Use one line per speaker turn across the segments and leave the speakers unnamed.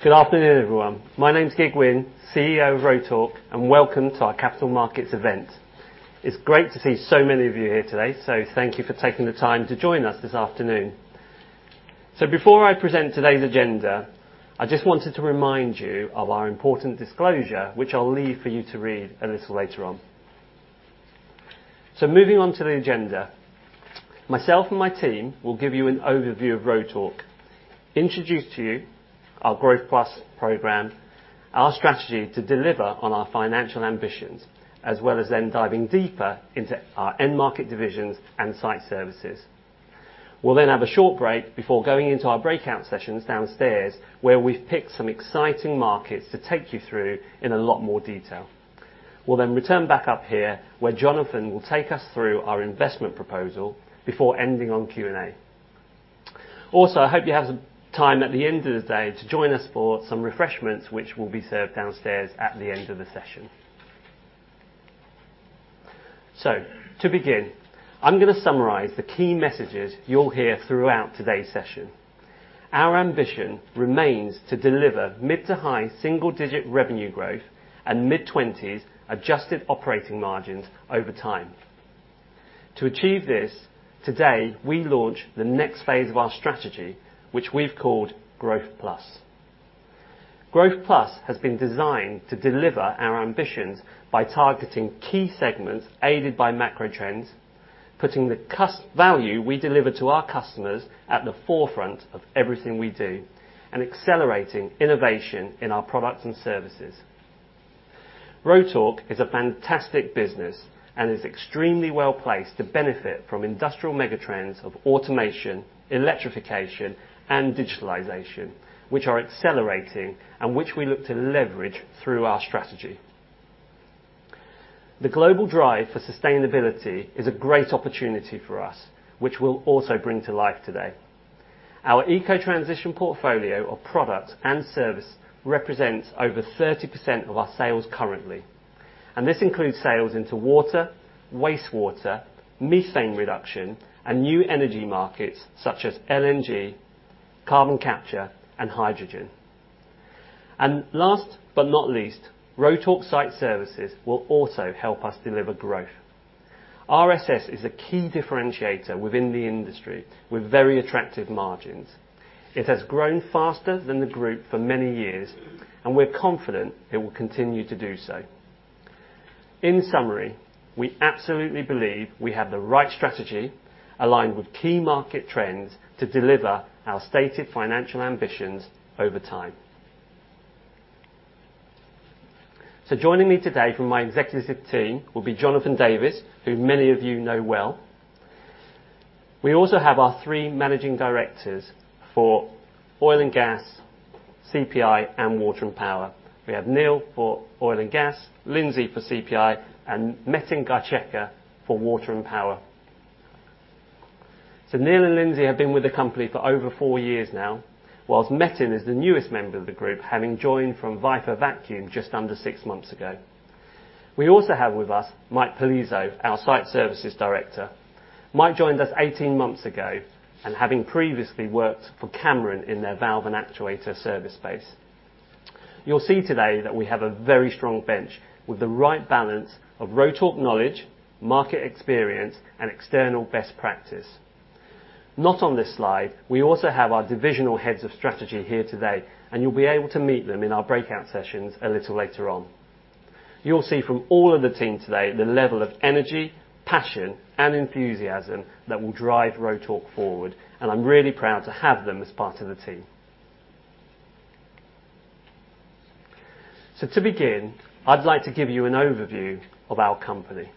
Good afternoon, everyone. My name's Kiet Huynh, CEO of Rotork, and welcome to our Capital Markets Event. It's great to see so many of you here today, so thank you for taking the time to join us this afternoon. Before I present today's agenda, I just wanted to remind you of our important disclosure, which I'll leave for you to read a little later on. Moving on to the agenda, myself and my team will give you an overview of Rotork, introduce to you our Growth+ program, our strategy to deliver on our financial ambitions, as well as then diving deeper into our end market divisions and site services. We'll then have a short break before going into our breakout sessions downstairs, where we've picked some exciting markets to take you through in a lot more detail. We'll then return back up here, where Jonathan will take us through our investment proposal before ending on Q&A. Also, I hope you have some time at the end of the day to join us for some refreshments, which will be served downstairs at the end of the session. To begin, I'm gonna summarize the key messages you'll hear throughout today's session. Our ambition remains to deliver mid to high-single-digit% revenue growth and mid-20s adjusted operating margins over time. To achieve this, today we launch the next phase of our strategy, which we've called Growth+. Growth+ has been designed to deliver our ambitions by targeting key segments aided by macro trends, putting the value we deliver to our customers at the forefront of everything we do, and accelerating innovation in our products and services. Rotork is a fantastic business, and is extremely well-placed to benefit from industrial mega trends of automation, electrification, and digitalization, which are accelerating and which we look to leverage through our strategy. The global drive for sustainability is a great opportunity for us, which we'll also bring to life today. Our eco-transition portfolio of products and services represents over 30% of our sales currently, and this includes sales into water, wastewater, methane reduction, and new energy markets such as LNG, carbon capture, and hydrogen. Last but not least, Rotork Site Services will also help us deliver growth. RSS is a key differentiator within the industry with very attractive margins. It has grown faster than the group for many years, and we're confident it will continue to do so. In summary, we absolutely believe we have the right strategy aligned with key market trends to deliver our stated financial ambitions over time. Joining me today from my executive team will be Jonathan Davis, who many of you know well. We also have our three managing directors for Oil & Gas, CPI, and Water and Power. We have Neil for Oil & Gas, Lyndsey for CPI, and Metin Gerceker for Water & Power. Neil and Lyndsey have been with the company for over four years now, while Metin is the newest member of the group, having joined from Pfeiffer Vacuum just under six months ago. We also have with us Mike Pelezo, our Site Services Director. Mike joined us 18 months ago, and having previously worked for Cameron in their valve and actuator service space. You'll see today that we have a very strong bench with the right balance of Rotork knowledge, market experience, and external best practice. Not on this slide, we also have our divisional heads of strategy here today, and you'll be able to meet them in our breakout sessions a little later on. You'll see from all of the team today the level of energy, passion, and enthusiasm that will drive Rotork forward, and I'm really proud to have them as part of the team. To begin, I'd like to give you an overview of our company.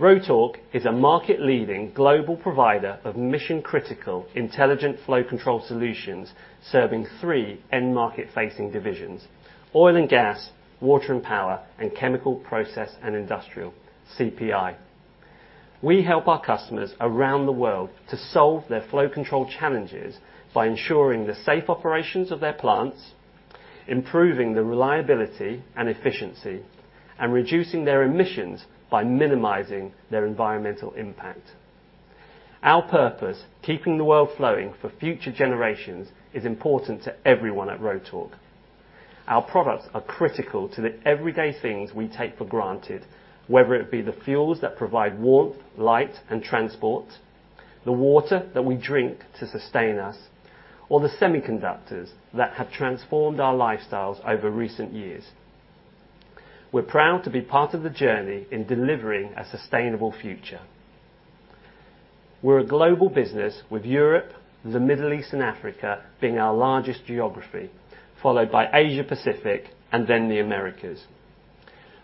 Rotork is a market-leading global provider of mission-critical intelligent flow control solutions serving three end market-facing divisions. Oil & Gas, Water & Power, and Chemical, Process and Industrial, CPI. We help our customers around the world to solve their flow control challenges by ensuring the safe operations of their plants, improving the reliability and efficiency, and reducing their emissions by minimizing their environmental impact. Our purpose, keeping the world flowing for future generations, is important to everyone at Rotork. Our products are critical to the everyday things we take for granted, whether it be the fuels that provide warmth, light, and transport, the water that we drink to sustain us, or the semiconductors that have transformed our lifestyles over recent years. We're proud to be part of the journey in delivering a sustainable future. We're a global business with Europe, the Middle East, and Africa being our largest geography, followed by Asia Pacific, and then the Americas.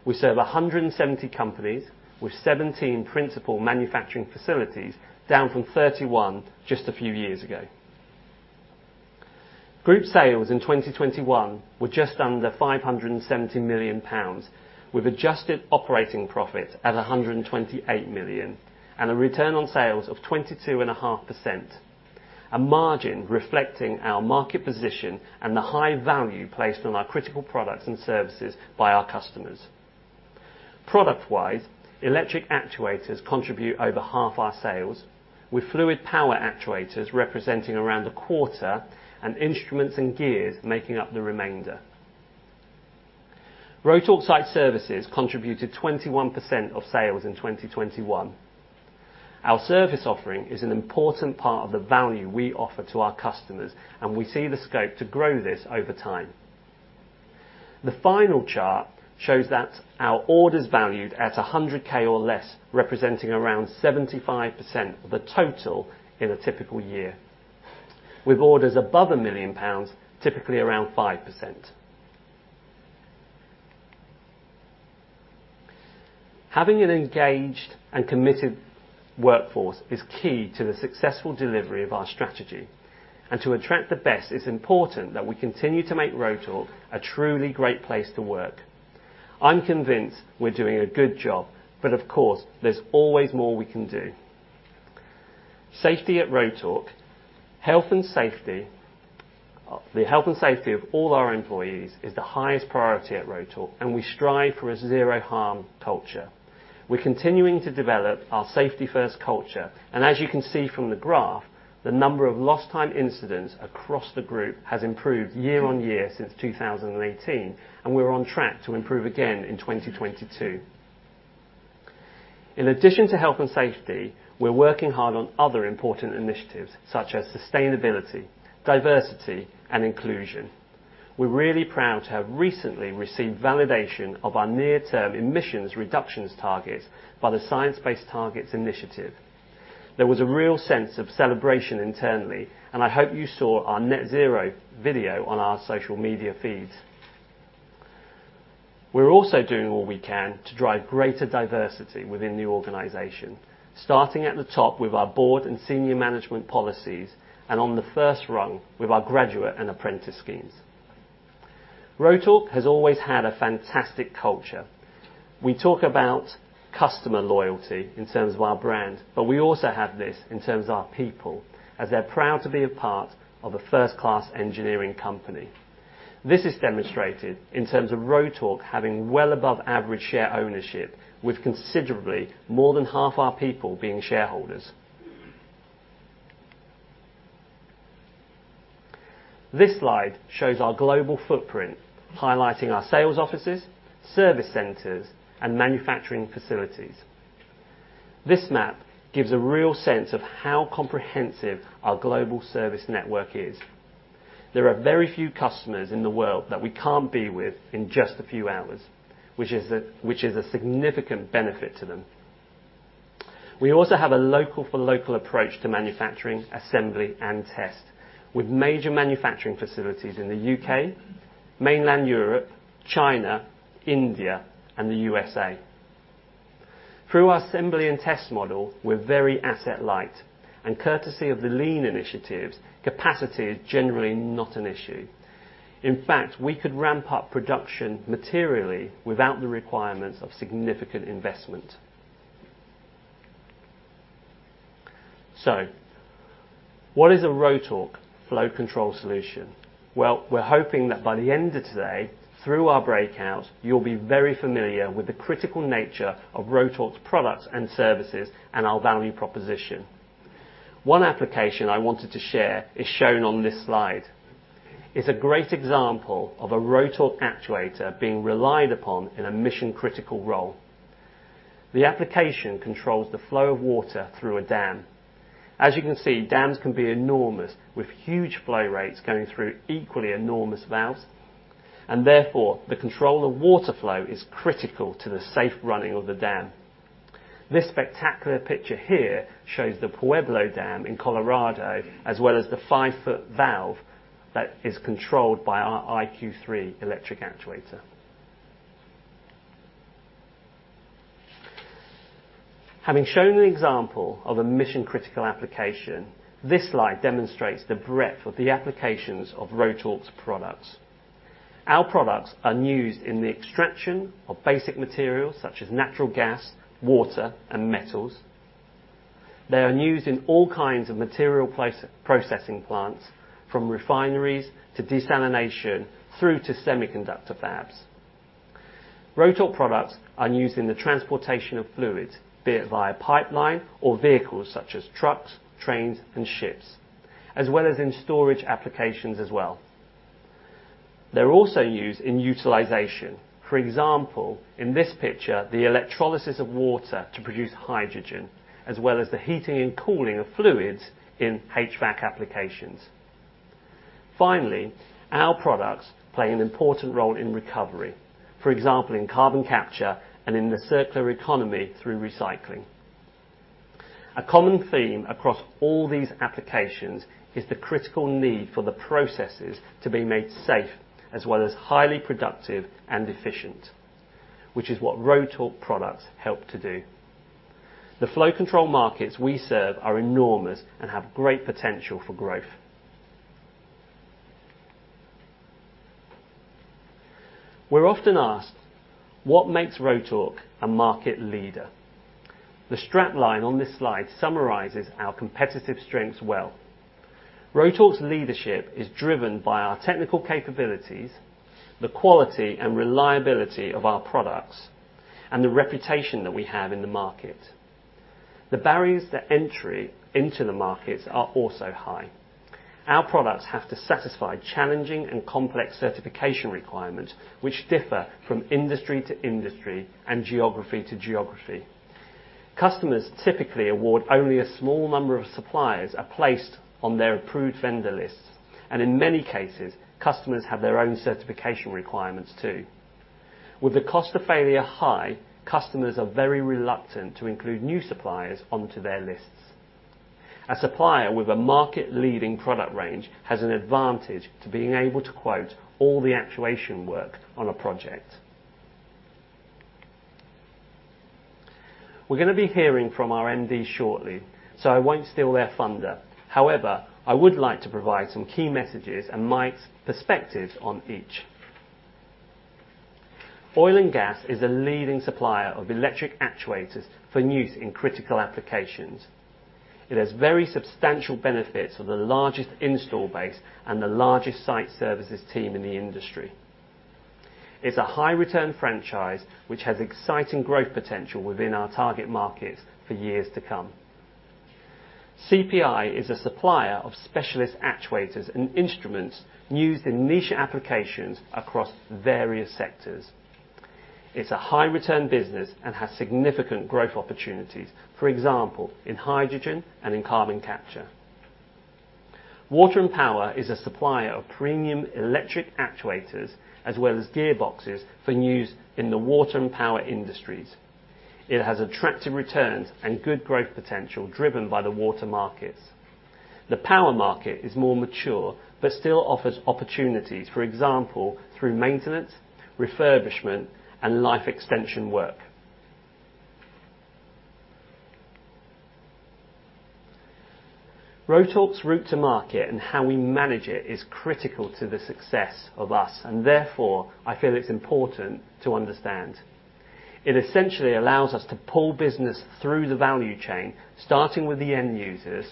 We serve 170 companies with 17 principal manufacturing facilities, down from 31 just a few years ago. Group sales in 2021 were just under 570 million pounds, with adjusted operating profit at 128 million and a return on sales of 22.5%, a margin reflecting our market position and the high value placed on our critical products and services by our customers. Product-wise, electric actuators contribute over half our sales, with fluid power actuators representing around a quarter and instruments and gears making up the remainder. Rotork Site Services contributed 21% of sales in 2021. Our service offering is an important part of the value we offer to our customers, and we see the scope to grow this over time. The final chart shows that our orders valued at 100,000 or less representing around 75% of the total in a typical year, with orders above 1 million pounds, typically around 5%. Having an engaged and committed workforce is key to the successful delivery of our strategy. To attract the best, it's important that we continue to make Rotork a truly great place to work. I'm convinced we're doing a good job, but of course, there's always more we can do. Safety at Rotork. Health and safety. The health and safety of all our employees is the highest priority at Rotork, and we strive for a zero-harm culture. We're continuing to develop our safety first culture, and as you can see from the graph, the number of lost time incidents across the group has improved year-on-year since 2018, and we're on track to improve again in 2022. In addition to health and safety, we're working hard on other important initiatives such as sustainability, diversity, and inclusion. We're really proud to have recently received validation of our near-term emissions reductions target by the Science Based Targets initiative. There was a real sense of celebration internally, and I hope you saw our net zero video on our social media feeds. We're also doing all we can to drive greater diversity within the organization, starting at the top with our board and senior management policies, and on the first rung with our graduate and apprentice schemes. Rotork has always had a fantastic culture. We talk about customer loyalty in terms of our brand, but we also have this in terms of our people, as they're proud to be a part of a first-class engineering company. This is demonstrated in terms of Rotork having well above average share ownership, with considerably more than half our people being shareholders. This slide shows our global footprint, highlighting our sales offices, service centers, and manufacturing facilities. This map gives a real sense of how comprehensive our global service network is. There are very few customers in the world that we can't be with in just a few hours, which is a significant benefit to them. We also have a local for local approach to manufacturing, assembly, and test, with major manufacturing facilities in the U.K., mainland Europe, China, India, and the U.S.A. Through our assembly and test model, we're very asset light, and courtesy of the lean initiatives, capacity is generally not an issue. In fact, we could ramp up production materially without the requirements of significant investment. What is a Rotork flow control solution? Well, we're hoping that by the end of today, through our breakout, you'll be very familiar with the critical nature of Rotork's products and services and our value proposition. One application I wanted to share is shown on this slide. It's a great example of a Rotork actuator being relied upon in a mission-critical role. The application controls the flow of water through a dam. As you can see, dams can be enormous, with huge flow rates going through equally enormous valves. Therefore, the control of water flow is critical to the safe running of the dam. This spectacular picture here shows the Pueblo Dam in Colorado, as well as the five-foot valve that is controlled by our IQ3 electric actuator. Having shown an example of a mission-critical application, this slide demonstrates the breadth of the applications of Rotork's products. Our products are used in the extraction of basic materials such as natural gas, water, and metals. They are used in all kinds of material processing plants, from refineries to desalination through to semiconductor fabs. Rotork products are used in the transportation of fluids, be it via pipeline or vehicles such as trucks, trains, and ships, as well as in storage applications as well. They're also used in utilization. For example, in this picture, the electrolysis of water to produce hydrogen, as well as the heating and cooling of fluids in HVAC applications. Finally, our products play an important role in recovery. For example, in carbon capture and in the circular economy through recycling. A common theme across all these applications is the critical need for the processes to be made safe as well as highly productive and efficient, which is what Rotork products help to do. The flow control markets we serve are enormous and have great potential for growth. We're often asked, "What makes Rotork a market leader?" The strap line on this slide summarizes our competitive strengths well. Rotork's leadership is driven by our technical capabilities, the quality and reliability of our products, and the reputation that we have in the market. The barriers to entry into the markets are also high. Our products have to satisfy challenging and complex certification requirements, which differ from industry to industry and geography to geography. Customers typically award only a small number of suppliers a place on their approved vendor lists, and in many cases, customers have their own certification requirements too. With the cost of failure high, customers are very reluctant to include new suppliers onto their lists. A supplier with a market-leading product range has an advantage to being able to quote all the actuation work on a project. We're gonna be hearing from our MD shortly, so I won't steal their thunder. However, I would like to provide some key messages and Mike's perspectives on each. Oil & Gas is a leading supplier of electric actuators for use in critical applications. It has very substantial benefits with the largest installed base and the largest site services team in the industry. It's a high return franchise, which has exciting growth potential within our target markets for years to come. CPI is a supplier of specialist actuators and instruments used in niche applications across various sectors. It's a high return business and has significant growth opportunities, for example, in hydrogen and in carbon capture. Water & Power is a supplier of premium electric actuators as well as gearboxes for use in the water and power industries. It has attractive returns and good growth potential driven by the water markets. The power market is more mature, but still offers opportunities, for example, through maintenance, refurbishment, and life extension work. Rotork's route to market and how we manage it is critical to the success of us and therefore, I feel it's important to understand. It essentially allows us to pull business through the value chain, starting with the end users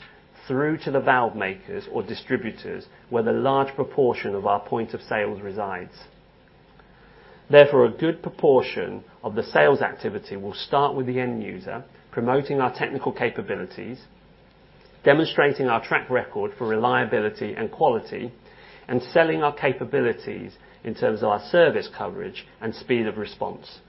through to the valve makers or distributors, where the large proportion of our point of sales resides. Therefore, a good proportion of the sales activity will start with the end user, promoting our technical capabilities, demonstrating our track record for reliability and quality, and selling our capabilities in terms of our service coverage and speed of response.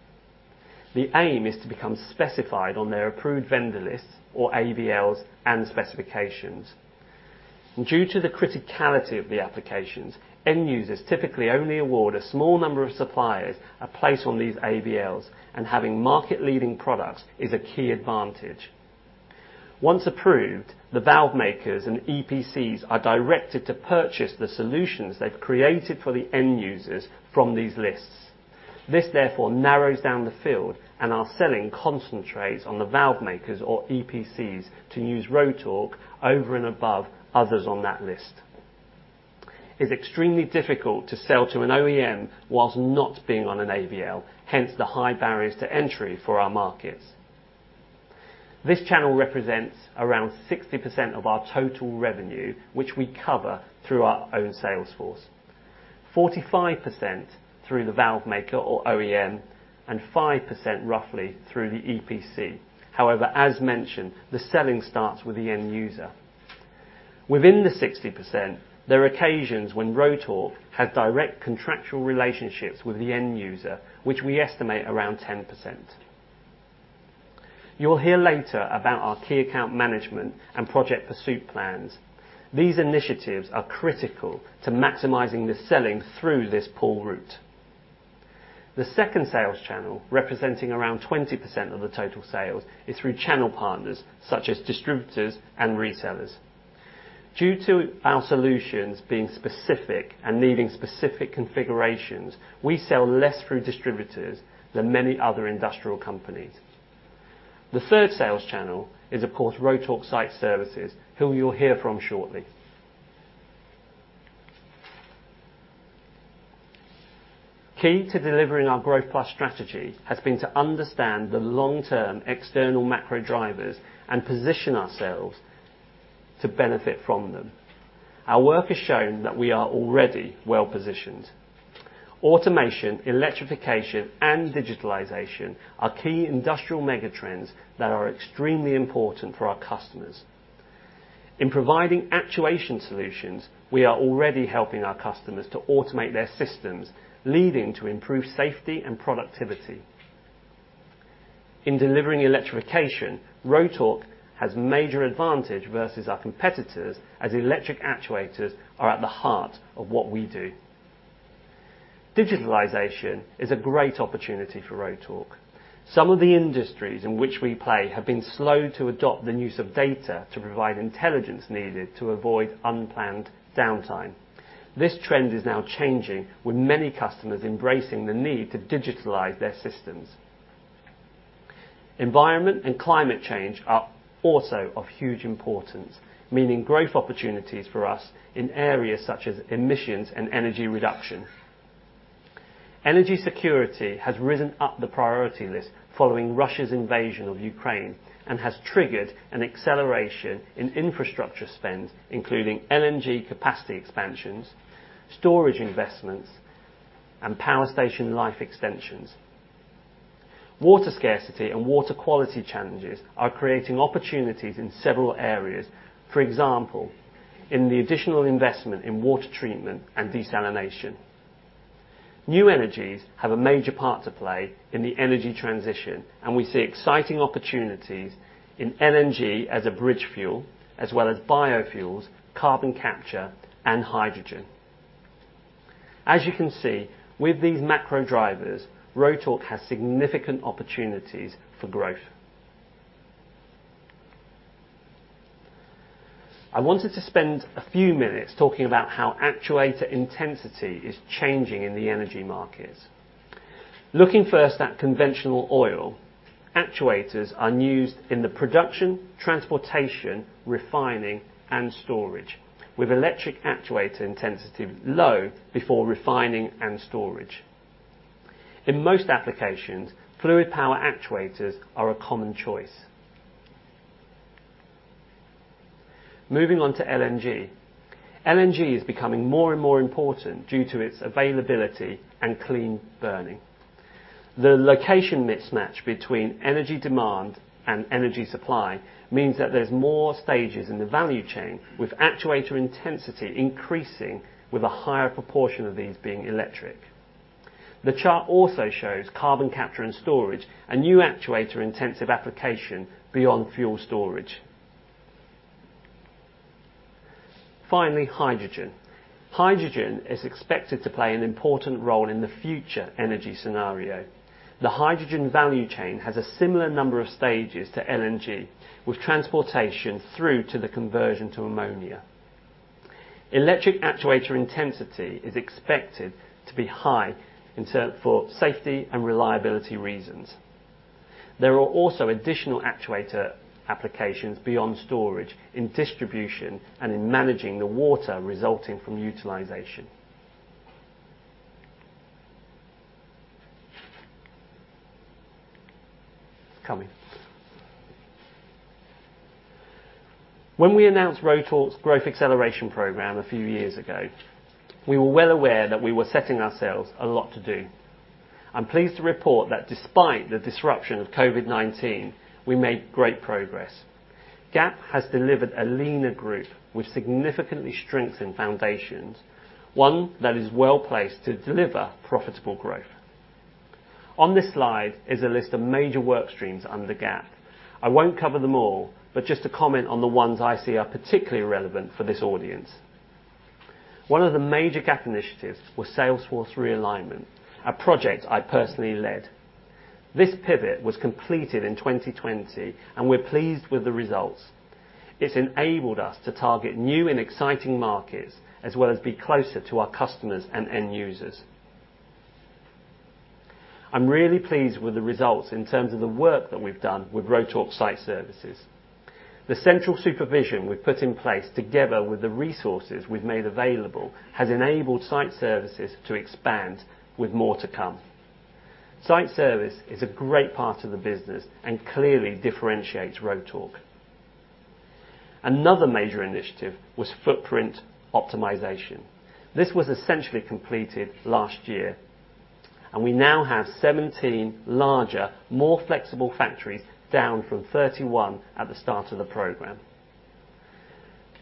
The aim is to become specified on their approved vendor lists, or AVLs, and specifications. Due to the criticality of the applications, end users typically only award a small number of suppliers a place on these AVLs, and having market-leading products is a key advantage. Once approved, the valve makers and EPCs are directed to purchase the solutions they've created for the end users from these lists. This therefore narrows down the field, and our selling concentrates on the valve makers or EPCs to use Rotork over and above others on that list. It's extremely difficult to sell to an OEM while not being on an AVL, hence the high barriers to entry for our markets. This channel represents around 60% of our total revenue, which we cover through our own sales force. 45% through the valve maker or OEM, and roughly 5% through the EPC. However, as mentioned, the selling starts with the end user. Within the 60%, there are occasions when Rotork has direct contractual relationships with the end user, which we estimate around 10%. You'll hear later about our key account management and project pursuit plans. These initiatives are critical to maximizing the selling through this pull route. The second sales channel, representing around 20% of the total sales, is through channel partners such as distributors and resellers. Due to our solutions being specific and needing specific configurations, we sell less through distributors than many other industrial companies. The third sales channel is, of course, Rotork Site Services, who you'll hear from shortly. Key to delivering our Growth+ strategy has been to understand the long-term external macro drivers and position ourselves to benefit from them. Our work has shown that we are already well-positioned. Automation, electrification, and digitalization are key industrial mega trends that are extremely important for our customers. In providing actuation solutions, we are already helping our customers to automate their systems, leading to improved safety and productivity. In delivering electrification, Rotork has major advantage versus our competitors, as electric actuators are at the heart of what we do. Digitalization is a great opportunity for Rotork. Some of the industries in which we play have been slow to adopt the use of data to provide intelligence needed to avoid unplanned downtime. This trend is now changing with many customers embracing the need to digitalize their systems. Environment and climate change are also of huge importance, meaning growth opportunities for us in areas such as emissions and energy reduction. Energy security has risen up the priority list following Russia's invasion of Ukraine, and has triggered an acceleration in infrastructure spend, including LNG capacity expansions, storage investments, and power station life extensions. Water scarcity and water quality challenges are creating opportunities in several areas. For example, in the additional investment in water treatment and desalination. New energies have a major part to play in the energy transition, and we see exciting opportunities in LNG as a bridge fuel, as well as biofuels, carbon capture, and hydrogen. As you can see, with these macro drivers, Rotork has significant opportunities for growth. I wanted to spend a few minutes talking about how actuator intensity is changing in the energy markets. Looking first at conventional oil, actuators are used in the production, transportation, refining, and storage, with electric actuator intensity low before refining and storage. In most applications, fluid power actuators are a common choice. Moving on to LNG. LNG is becoming more and more important due to its availability and clean burning. The location mismatch between energy demand and energy supply means that there's more stages in the value chain with actuator intensity increasing with a higher proportion of these being electric. The chart also shows carbon capture and storage, a new actuator-intensive application beyond fuel storage. Finally, hydrogen. Hydrogen is expected to play an important role in the future energy scenario. The hydrogen value chain has a similar number of stages to LNG, with transportation through to the conversion to ammonia. Electric actuator intensity is expected to be high in terms of safety and reliability reasons. There are also additional actuator applications beyond storage in distribution and in managing the water resulting from utilization. When we announced Rotork's growth acceleration program a few years ago, we were well aware that we were setting ourselves a lot to do. I'm pleased to report that despite the disruption of COVID-19, we made great progress. GAP has delivered a leaner group with significantly strengthened foundations, one that is well-placed to deliver profitable growth. On this slide is a list of major work streams under the GAP. I won't cover them all, but just to comment on the ones I see are particularly relevant for this audience. One of the major GAP initiatives was sales force realignment, a project I personally led. This pivot was completed in 2020, and we're pleased with the results. It's enabled us to target new and exciting markets, as well as be closer to our customers and end users. I'm really pleased with the results in terms of the work that we've done with Rotork Site Services. The central supervision we've put in place together with the resources we've made available has enabled Site Services to expand with more to come. Site Services is a great part of the business and clearly differentiates Rotork. Another major initiative was footprint optimization. This was essentially completed last year, and we now have 17 larger, more flexible factories, down from 31 at the start of the program.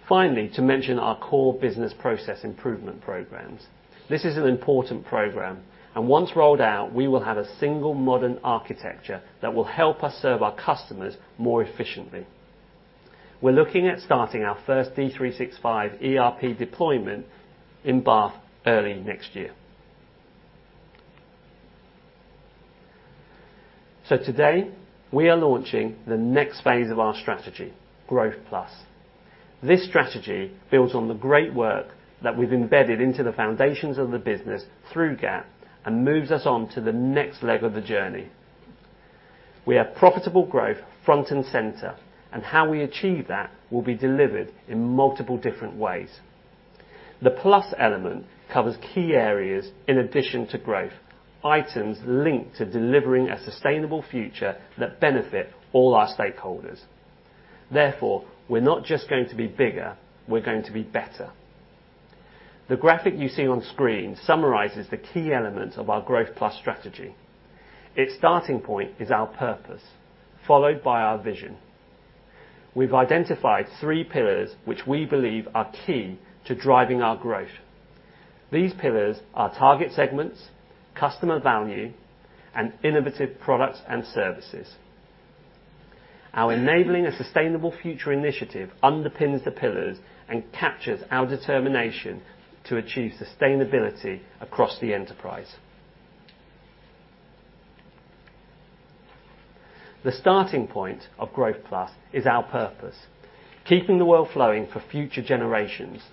Finally, to mention our core business process improvement programs. This is an important program, and once rolled out, we will have a single modern architecture that will help us serve our customers more efficiently. We're looking at starting our first D365 ERP deployment in Bath early next year. Today, we are launching the next phase of our strategy, Growth+. This strategy builds on the great work that we've embedded into the foundations of the business through GAP, and moves us on to the next leg of the journey. We have profitable growth front and center, and how we achieve that will be delivered in multiple different ways. The Plus element covers key areas in addition to growth, items linked to delivering a sustainable future that benefit all our stakeholders. Therefore, we're not just going to be bigger, we're going to be better. The graphic you see on screen summarizes the key elements of our Growth+ strategy. Its starting point is our purpose, followed by our vision. We've identified three pillars which we believe are key to driving our growth. These pillars are target segments, customer value, and innovative products and services. Our enabling a sustainable future initiative underpins the pillars and captures our determination to achieve sustainability across the enterprise. The starting point of Growth+ is our purpose: keeping the world flowing for future generations.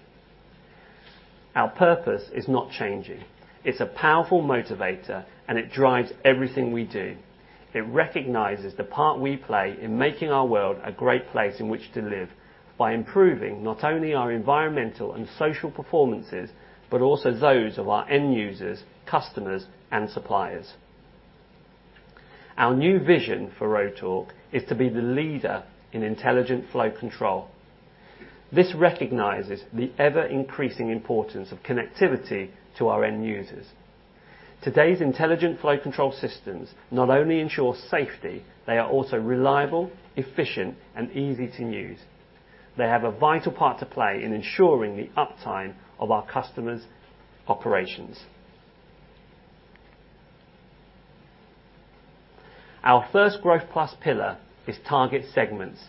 Our purpose is not changing. It's a powerful motivator, and it drives everything we do. It recognizes the part we play in making our world a great place in which to live, by improving not only our environmental and social performances, but also those of our end users, customers, and suppliers. Our new vision for Rotork is to be the leader in intelligent flow control. This recognizes the ever-increasing importance of connectivity to our end users. Today's intelligent flow control systems not only ensure safety, they are also reliable, efficient, and easy to use. They have a vital part to play in ensuring the uptime of our customers' operations. Our first Growth+ pillar is target segments.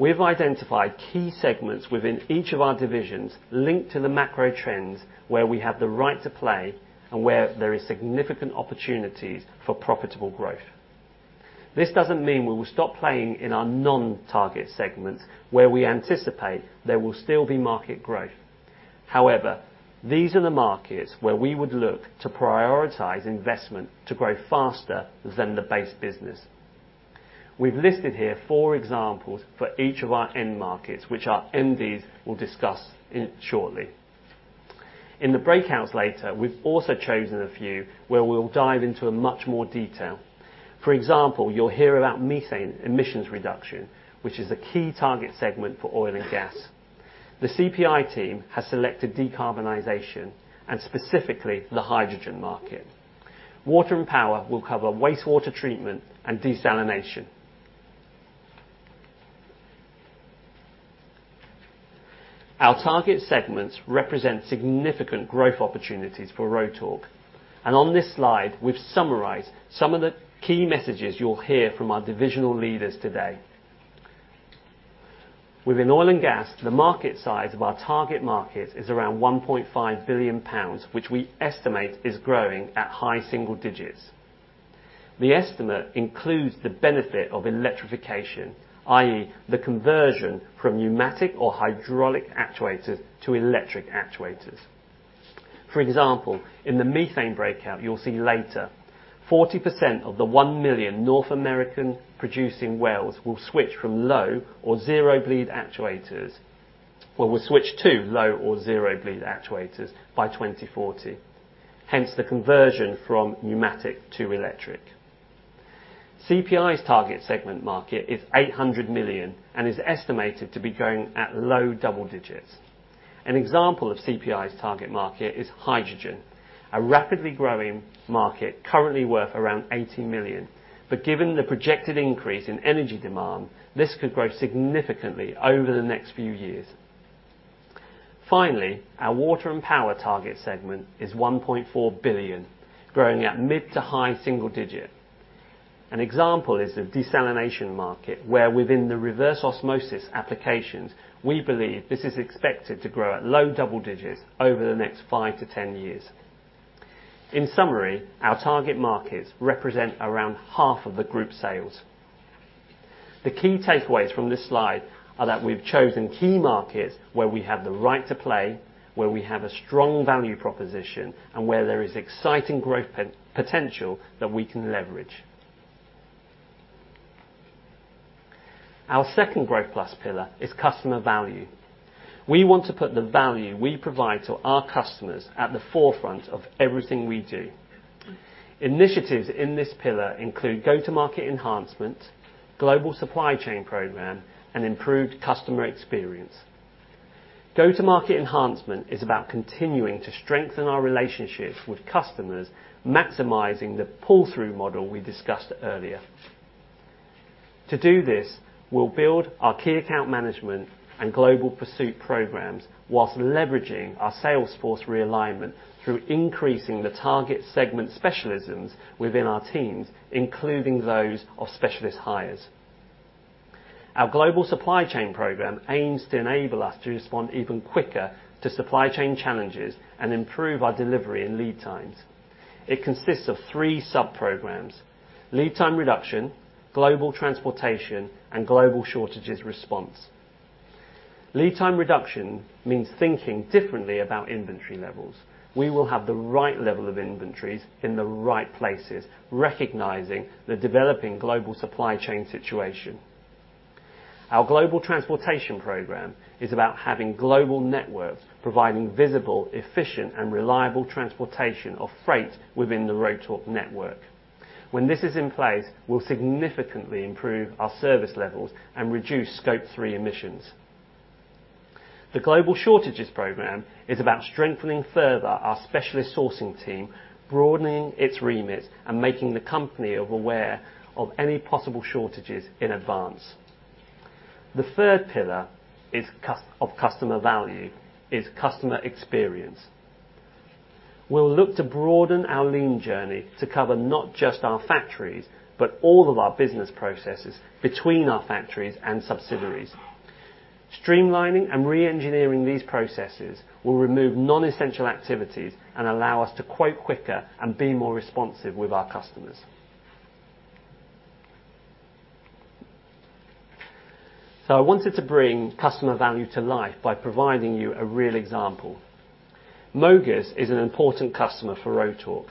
We've identified key segments within each of our divisions linked to the macro trends where we have the right to play and where there is significant opportunities for profitable growth. This doesn't mean we will stop playing in our non-target segments where we anticipate there will still be market growth. However, these are the markets where we would look to prioritize investment to grow faster than the base business. We've listed here four examples for each of our end markets, which our MDs will discuss shortly. In the breakouts later, we've also chosen a few where we'll dive into much more detail. For example, you'll hear about methane emissions reduction, which is a key target segment for Oil & Gas. The CPI team has selected decarbonization, and specifically, the hydrogen market. Water & Power will cover wastewater treatment and desalination. Our target segments represent significant growth opportunities for Rotork, and on this slide we've summarized some of the key messages you'll hear from our divisional leaders today. Within Oil & Gas, the market size of our target market is around 1.5 billion pounds, which we estimate is growing at high single digits. The estimate includes the benefit of electrification, i.e., the conversion from pneumatic or hydraulic actuators to electric actuators. For example, in the methane breakout you'll see later, 40% of the 1 million North American producing wells will switch to low or zero bleed actuators by 2040, hence the conversion from pneumatic to electric. CPI's target segment market is 800 million and is estimated to be growing at low double digits. An example of CPI's target market is hydrogen, a rapidly growing market currently worth around 80 million. Given the projected increase in energy demand, this could grow significantly over the next few years. Finally, our Water & Power target segment is 1.4 billion, growing at mid to high-single-digit. An example is the desalination market, where within the reverse osmosis applications, we believe this is expected to grow at low double digits over the next five to 10 years. In summary, our target markets represent around half of the group sales. The key takeaways from this slide are that we've chosen key markets where we have the right to play, where we have a strong value proposition, and where there is exciting growth potential that we can leverage. Our second Growth+ pillar is customer value. We want to put the value we provide to our customers at the forefront of everything we do. Initiatives in this pillar include go-to-market enhancement, global supply chain program, and improved customer experience. Go-to-market enhancement is about continuing to strengthen our relationships with customers, maximizing the pull-through model we discussed earlier. To do this, we'll build our key account management and global pursuit programs whilst leveraging our sales force realignment through increasing the target segment specialisms within our teams, including those of specialist hires. Our global supply chain program aims to enable us to respond even quicker to supply chain challenges and improve our delivery and lead times. It consists of three subprograms, lead time reduction, global transportation, and global shortages response. Lead time reduction means thinking differently about inventory levels. We will have the right level of inventories in the right places, recognizing the developing global supply chain situation. Our global transportation program is about having global networks providing visible, efficient, and reliable transportation of freight within the Rotork network. When this is in place, we'll significantly improve our service levels and reduce Scope 3 emissions. The global shortages program is about strengthening further our specialist sourcing team, broadening its remit, and making the company aware of any possible shortages in advance. The third pillar of customer value is customer experience. We'll look to broaden our lean journey to cover not just our factories, but all of our business processes between our factories and subsidiaries. Streamlining and re-engineering these processes will remove non-essential activities and allow us to quote quicker and be more responsive with our customers. I wanted to bring customer value to life by providing you a real example. Mogas is an important customer for Rotork.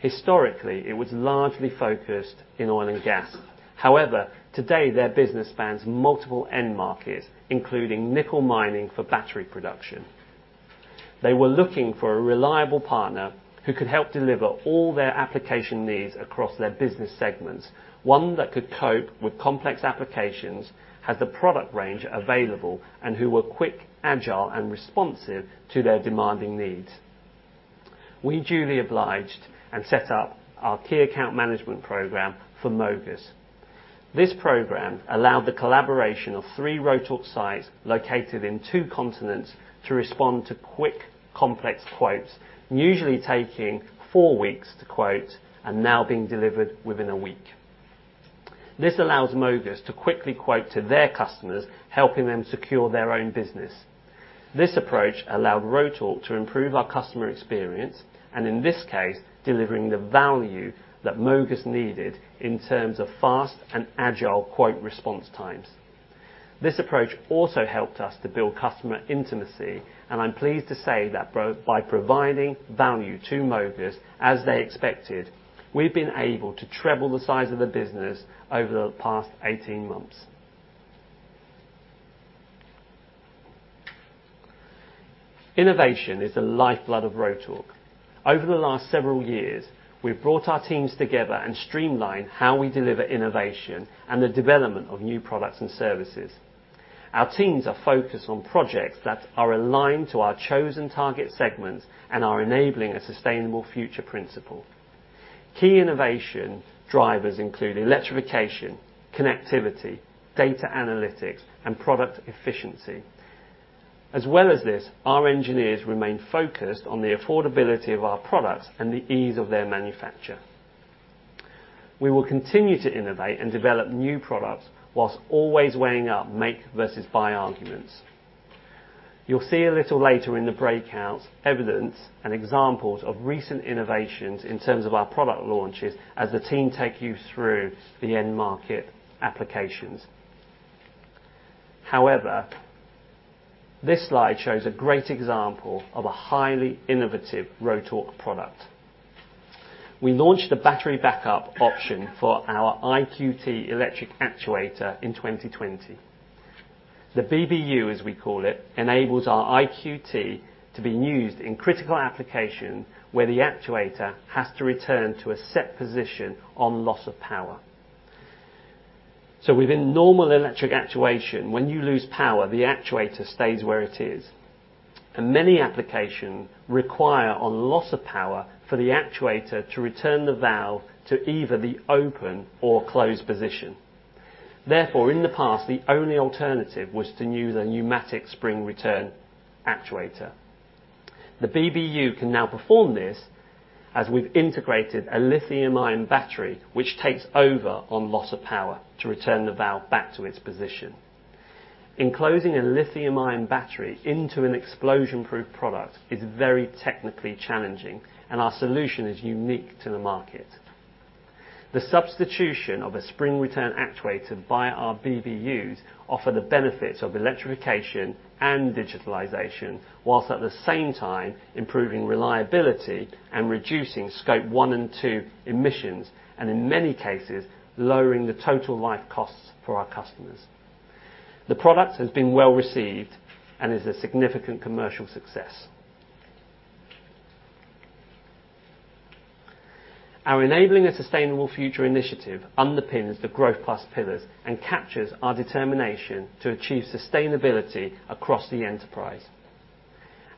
Historically, it was largely focused in oil and gas. However, today, their business spans multiple end markets, including nickel mining for battery production. They were looking for a reliable partner who could help deliver all their application needs across their business segments, one that could cope with complex applications, has the product range available, and who were quick, agile, and responsive to their demanding needs. We duly obliged and set up our key account management program for Mogas. This program allowed the collaboration of three Rotork sites located in two continents to respond to quick, complex quotes, usually taking four weeks to quote, and now being delivered within a week. This allows Mogas to quickly quote to their customers, helping them secure their own business. This approach allowed Rotork to improve our customer experience, and in this case, delivering the value that Mogas needed in terms of fast and agile quote response times. This approach also helped us to build customer intimacy, and I'm pleased to say that by providing value to Mogas as they expected, we've been able to treble the size of the business over the past 18 months. Innovation is the lifeblood of Rotork. Over the last several years, we've brought our teams together and streamlined how we deliver innovation and the development of new products and services. Our teams are focused on projects that are aligned to our chosen target segments and our enabling a sustainable future principle. Key innovation drivers include electrification, connectivity, data analytics, and product efficiency. As well as this, our engineers remain focused on the affordability of our products and the ease of their manufacture. We will continue to innovate and develop new products whilst always weighing up make versus buy arguments. You'll see a little later in the breakouts evidence and examples of recent innovations in terms of our product launches as the team take you through the end market applications. However, this slide shows a great example of a highly innovative Rotork product. We launched the battery backup option for our IQT electric actuator in 2020. The BBU, as we call it, enables our IQT to be used in critical applications where the actuator has to return to a set position on loss of power. Within normal electric actuation, when you lose power, the actuator stays where it is. Many applications require on loss of power for the actuator to return the valve to either the open or closed position. Therefore, in the past, the only alternative was to use a pneumatic spring return actuator. The BBU can now perform this as we've integrated a lithium-ion battery, which takes over on loss of power to return the valve back to its position. Enclosing a lithium-ion battery into an explosion-proof product is very technically challenging, and our solution is unique to the market. The substitution of a spring return actuator by our BBUs offer the benefits of electrification and digitalization, while at the same time improving reliability and reducing Scope 1 and Scope 2 emissions, and in many cases, lowering the total life costs for our customers. The product has been well received and is a significant commercial success. Our enabling a sustainable future initiative underpins the Growth+ pillars and captures our determination to achieve sustainability across the enterprise.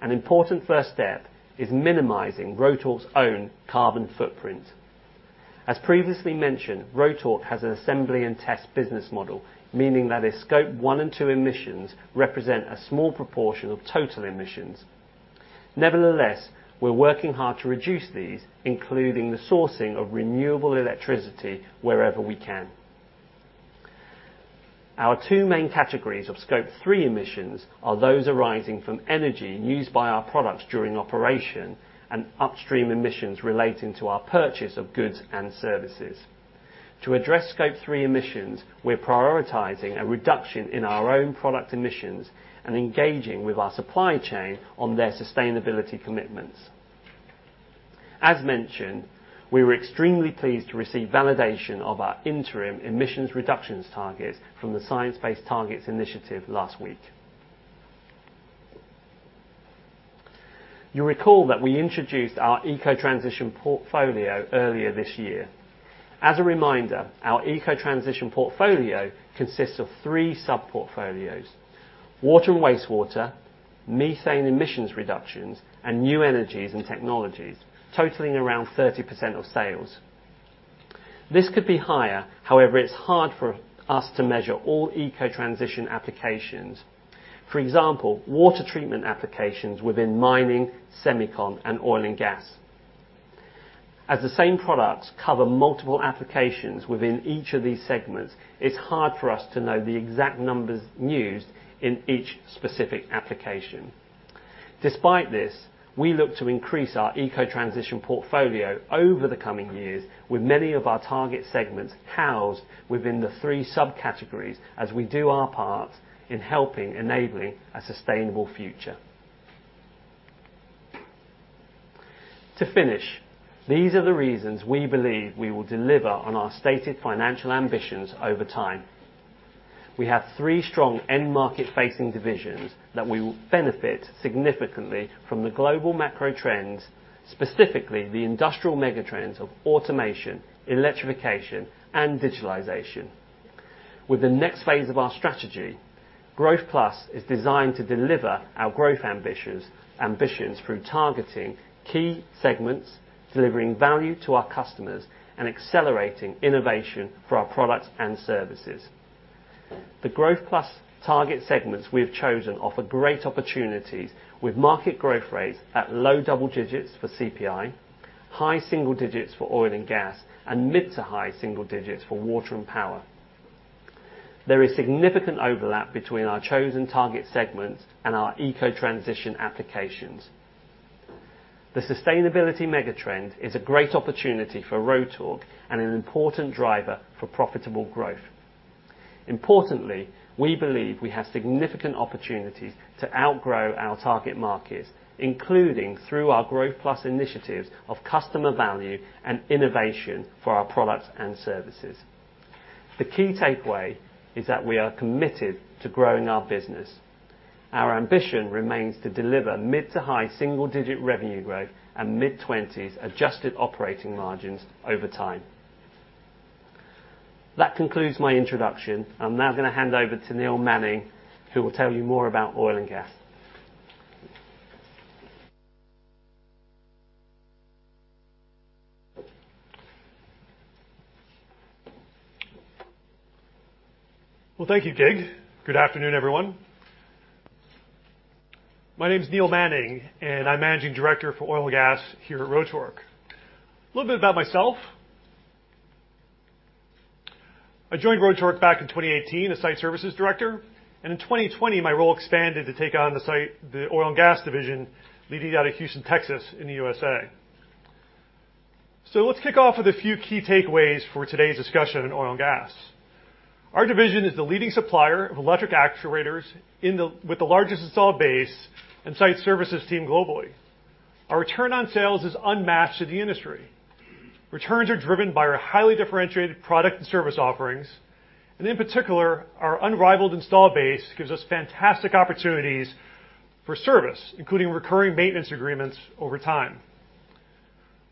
An important first step is minimizing Rotork's own carbon footprint. As previously mentioned, Rotork has an assembly and test business model, meaning that its Scope 1 and Scope 2 emissions represent a small proportion of total emissions. Nevertheless, we're working hard to reduce these, including the sourcing of renewable electricity wherever we can. Our two main categories of Scope 3 emissions are those arising from energy used by our products during operation and upstream emissions relating to our purchase of goods and services. To address Scope 3 emissions, we're prioritizing a reduction in our own product emissions and engaging with our supply chain on their sustainability commitments. As mentioned, we were extremely pleased to receive validation of our interim emissions reductions targets from the Science Based Targets initiative last week. You'll recall that we introduced our eco-transition portfolio earlier this year. As a reminder, our eco-transition portfolio consists of three sub-portfolios, water and wastewater, methane emissions reductions, and new energies and technologies, totaling around 30% of sales. This could be higher. However, it's hard for us to measure all eco-transition applications. For example, water treatment applications within mining, semicon, and oil and gas. As the same products cover multiple applications within each of these segments, it's hard for us to know the exact numbers used in each specific application. Despite this, we look to increase our eco-transition portfolio over the coming years with many of our target segments housed within the three subcategories as we do our part in helping enabling a sustainable future. To finish, these are the reasons we believe we will deliver on our stated financial ambitions over time. We have three strong end market-facing divisions that will benefit significantly from the global macro trends, specifically the industrial mega trends of automation, electrification, and digitalization. With the next phase of our strategy, Growth+ is designed to deliver our growth ambitions through targeting key segments, delivering value to our customers, and accelerating innovation for our products and services. The Growth+ target segments we have chosen offer great opportunities with market growth rates at low double digits for CPI, high single digits for Oil & Gas, and mid to high single digits for Water & Power. There is significant overlap between our chosen target segments and our eco-transition applications. The sustainability mega trend is a great opportunity for Rotork and an important driver for profitable growth. Importantly, we believe we have significant opportunities to outgrow our target markets, including through our Growth+ initiatives of customer value and innovation for our products and services. The key takeaway is that we are committed to growing our business. Our ambition remains to deliver mid to high single-digit revenue growth and mid-20s adjusted operating margins over time. That concludes my introduction. I'm now gonna hand over to Neil Manning, who will tell you more about oil and gas.
Well, thank you, Kiet. Good afternoon, everyone. My name is Neil Manning, and I'm Managing Director for Oil & Gas here at Rotork. A little bit about myself. I joined Rotork back in 2018 as Site Services Director, and in 2020, my role expanded to take on the Oil & Gas division, leading out of Houston, Texas in the U.S.A. Let's kick off with a few key takeaways for today's discussion on oil and gas. Our division is the leading supplier of electric actuators with the largest installed base and site services team globally. Our return on sales is unmatched in the industry. Returns are driven by our highly differentiated product and service offerings. In particular, our unrivaled installed base gives us fantastic opportunities for service, including recurring maintenance agreements over time.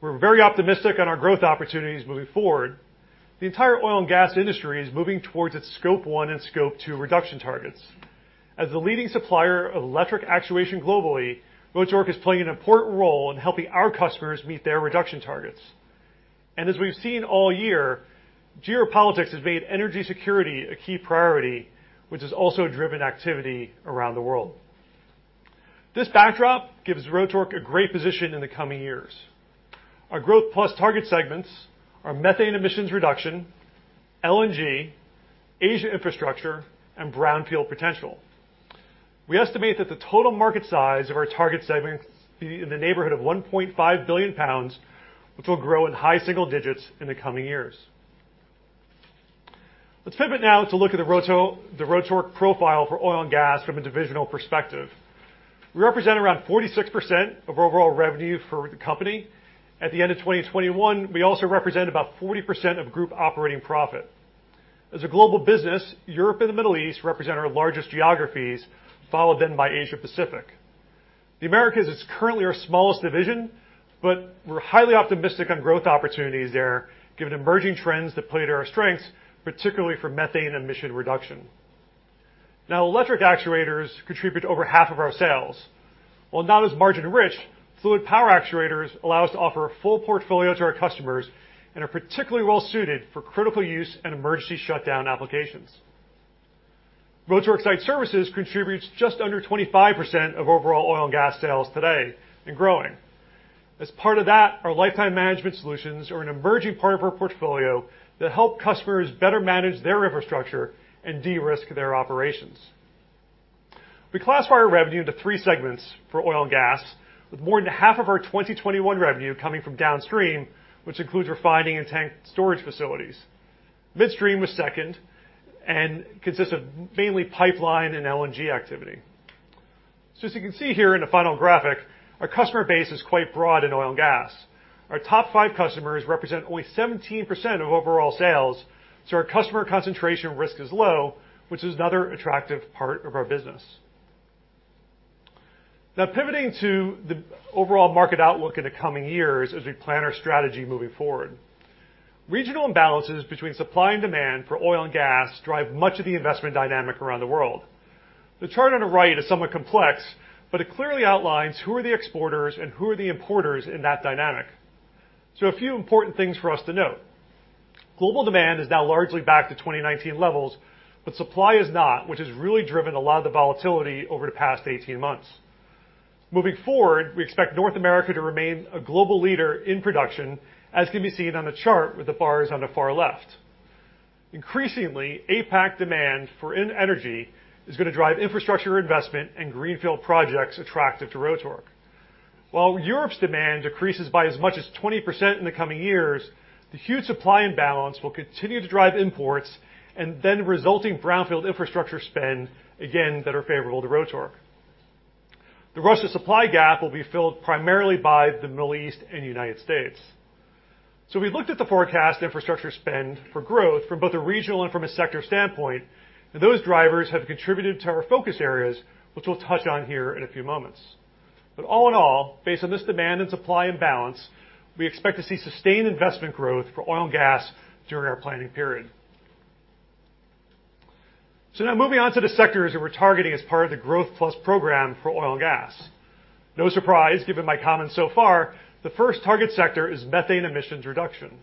We're very optimistic on our growth opportunities moving forward. The entire oil and gas industry is moving towards its Scope 1 and Scope 2 reduction targets. As the leading supplier of electric actuation globally, Rotork is playing an important role in helping our customers meet their reduction targets. We've seen all year, geopolitics has made energy security a key priority, which has also driven activity around the world. This backdrop gives Rotork a great position in the coming years. Our Growth+ target segments are methane emissions reduction, LNG, Asia infrastructure, and brownfield potential. We estimate that the total market size of our target segments to be in the neighborhood of 1.5 billion pounds, which will grow in high single digits in the coming years. Let's pivot now to look at the Rotork profile for oil and gas from a divisional perspective. We represent around 46% of overall revenue for the company. At the end of 2021, we also represent about 40% of group operating profit. As a global business, Europe and the Middle East represent our largest geographies, followed then by Asia Pacific. The Americas is currently our smallest division, but we're highly optimistic on growth opportunities there given emerging trends that play to our strengths, particularly for methane emission reduction. Now, electric actuators contribute to over half of our sales. While not as margin-rich, fluid power actuators allow us to offer a full portfolio to our customers and are particularly well-suited for critical use and emergency shutdown applications. Rotork Site Services contributes just under 25% of overall oil and gas sales today and growing. As part of that, our llifetime management solutions are an emerging part of our portfolio that help customers better manage their infrastructure and de-risk their operations. We classify our revenue into three segments for Oil & Gas, with more than half of our 2021 revenue coming from downstream, which includes refining and tank storage facilities. Midstream was second and consists of mainly pipeline and LNG activity. As you can see here in the final graphic, our customer base is quite broad in oil and gas. Our top five customers represent only 17% of overall sales, so our customer concentration risk is low, which is another attractive part of our business. Now pivoting to the overall market outlook in the coming years as we plan our strategy moving forward. Regional imbalances between supply and demand for oil and gas drive much of the investment dynamic around the world. The chart on the right is somewhat complex, but it clearly outlines who are the exporters and who are the importers in that dynamic. A few important things for us to note. Global demand is now largely back to 2019 levels, but supply is not, which has really driven a lot of the volatility over the past 18 months. Moving forward, we expect North America to remain a global leader in production, as can be seen on the chart with the bars on the far left. Increasingly, APAC demand for in energy is gonna drive infrastructure investment and greenfield projects attractive to Rotork. While Europe's demand decreases by as much as 20% in the coming years, the huge supply and balance will continue to drive imports and then resulting brownfield infrastructure spend again that are favorable to Rotork. The Russian supply gap will be filled primarily by the Middle East and United States. We've looked at the forecast infrastructure spend for growth from both a regional and from a sector standpoint, and those drivers have contributed to our focus areas, which we'll touch on here in a few moments. All in all, based on this demand and supply and balance, we expect to see sustained investment growth for oil and gas during our planning period. Now moving on to the sectors that we're targeting as part of the Growth+ program for Oil & Gas. No surprise, given my comments so far, the first target sector is methane emissions reduction.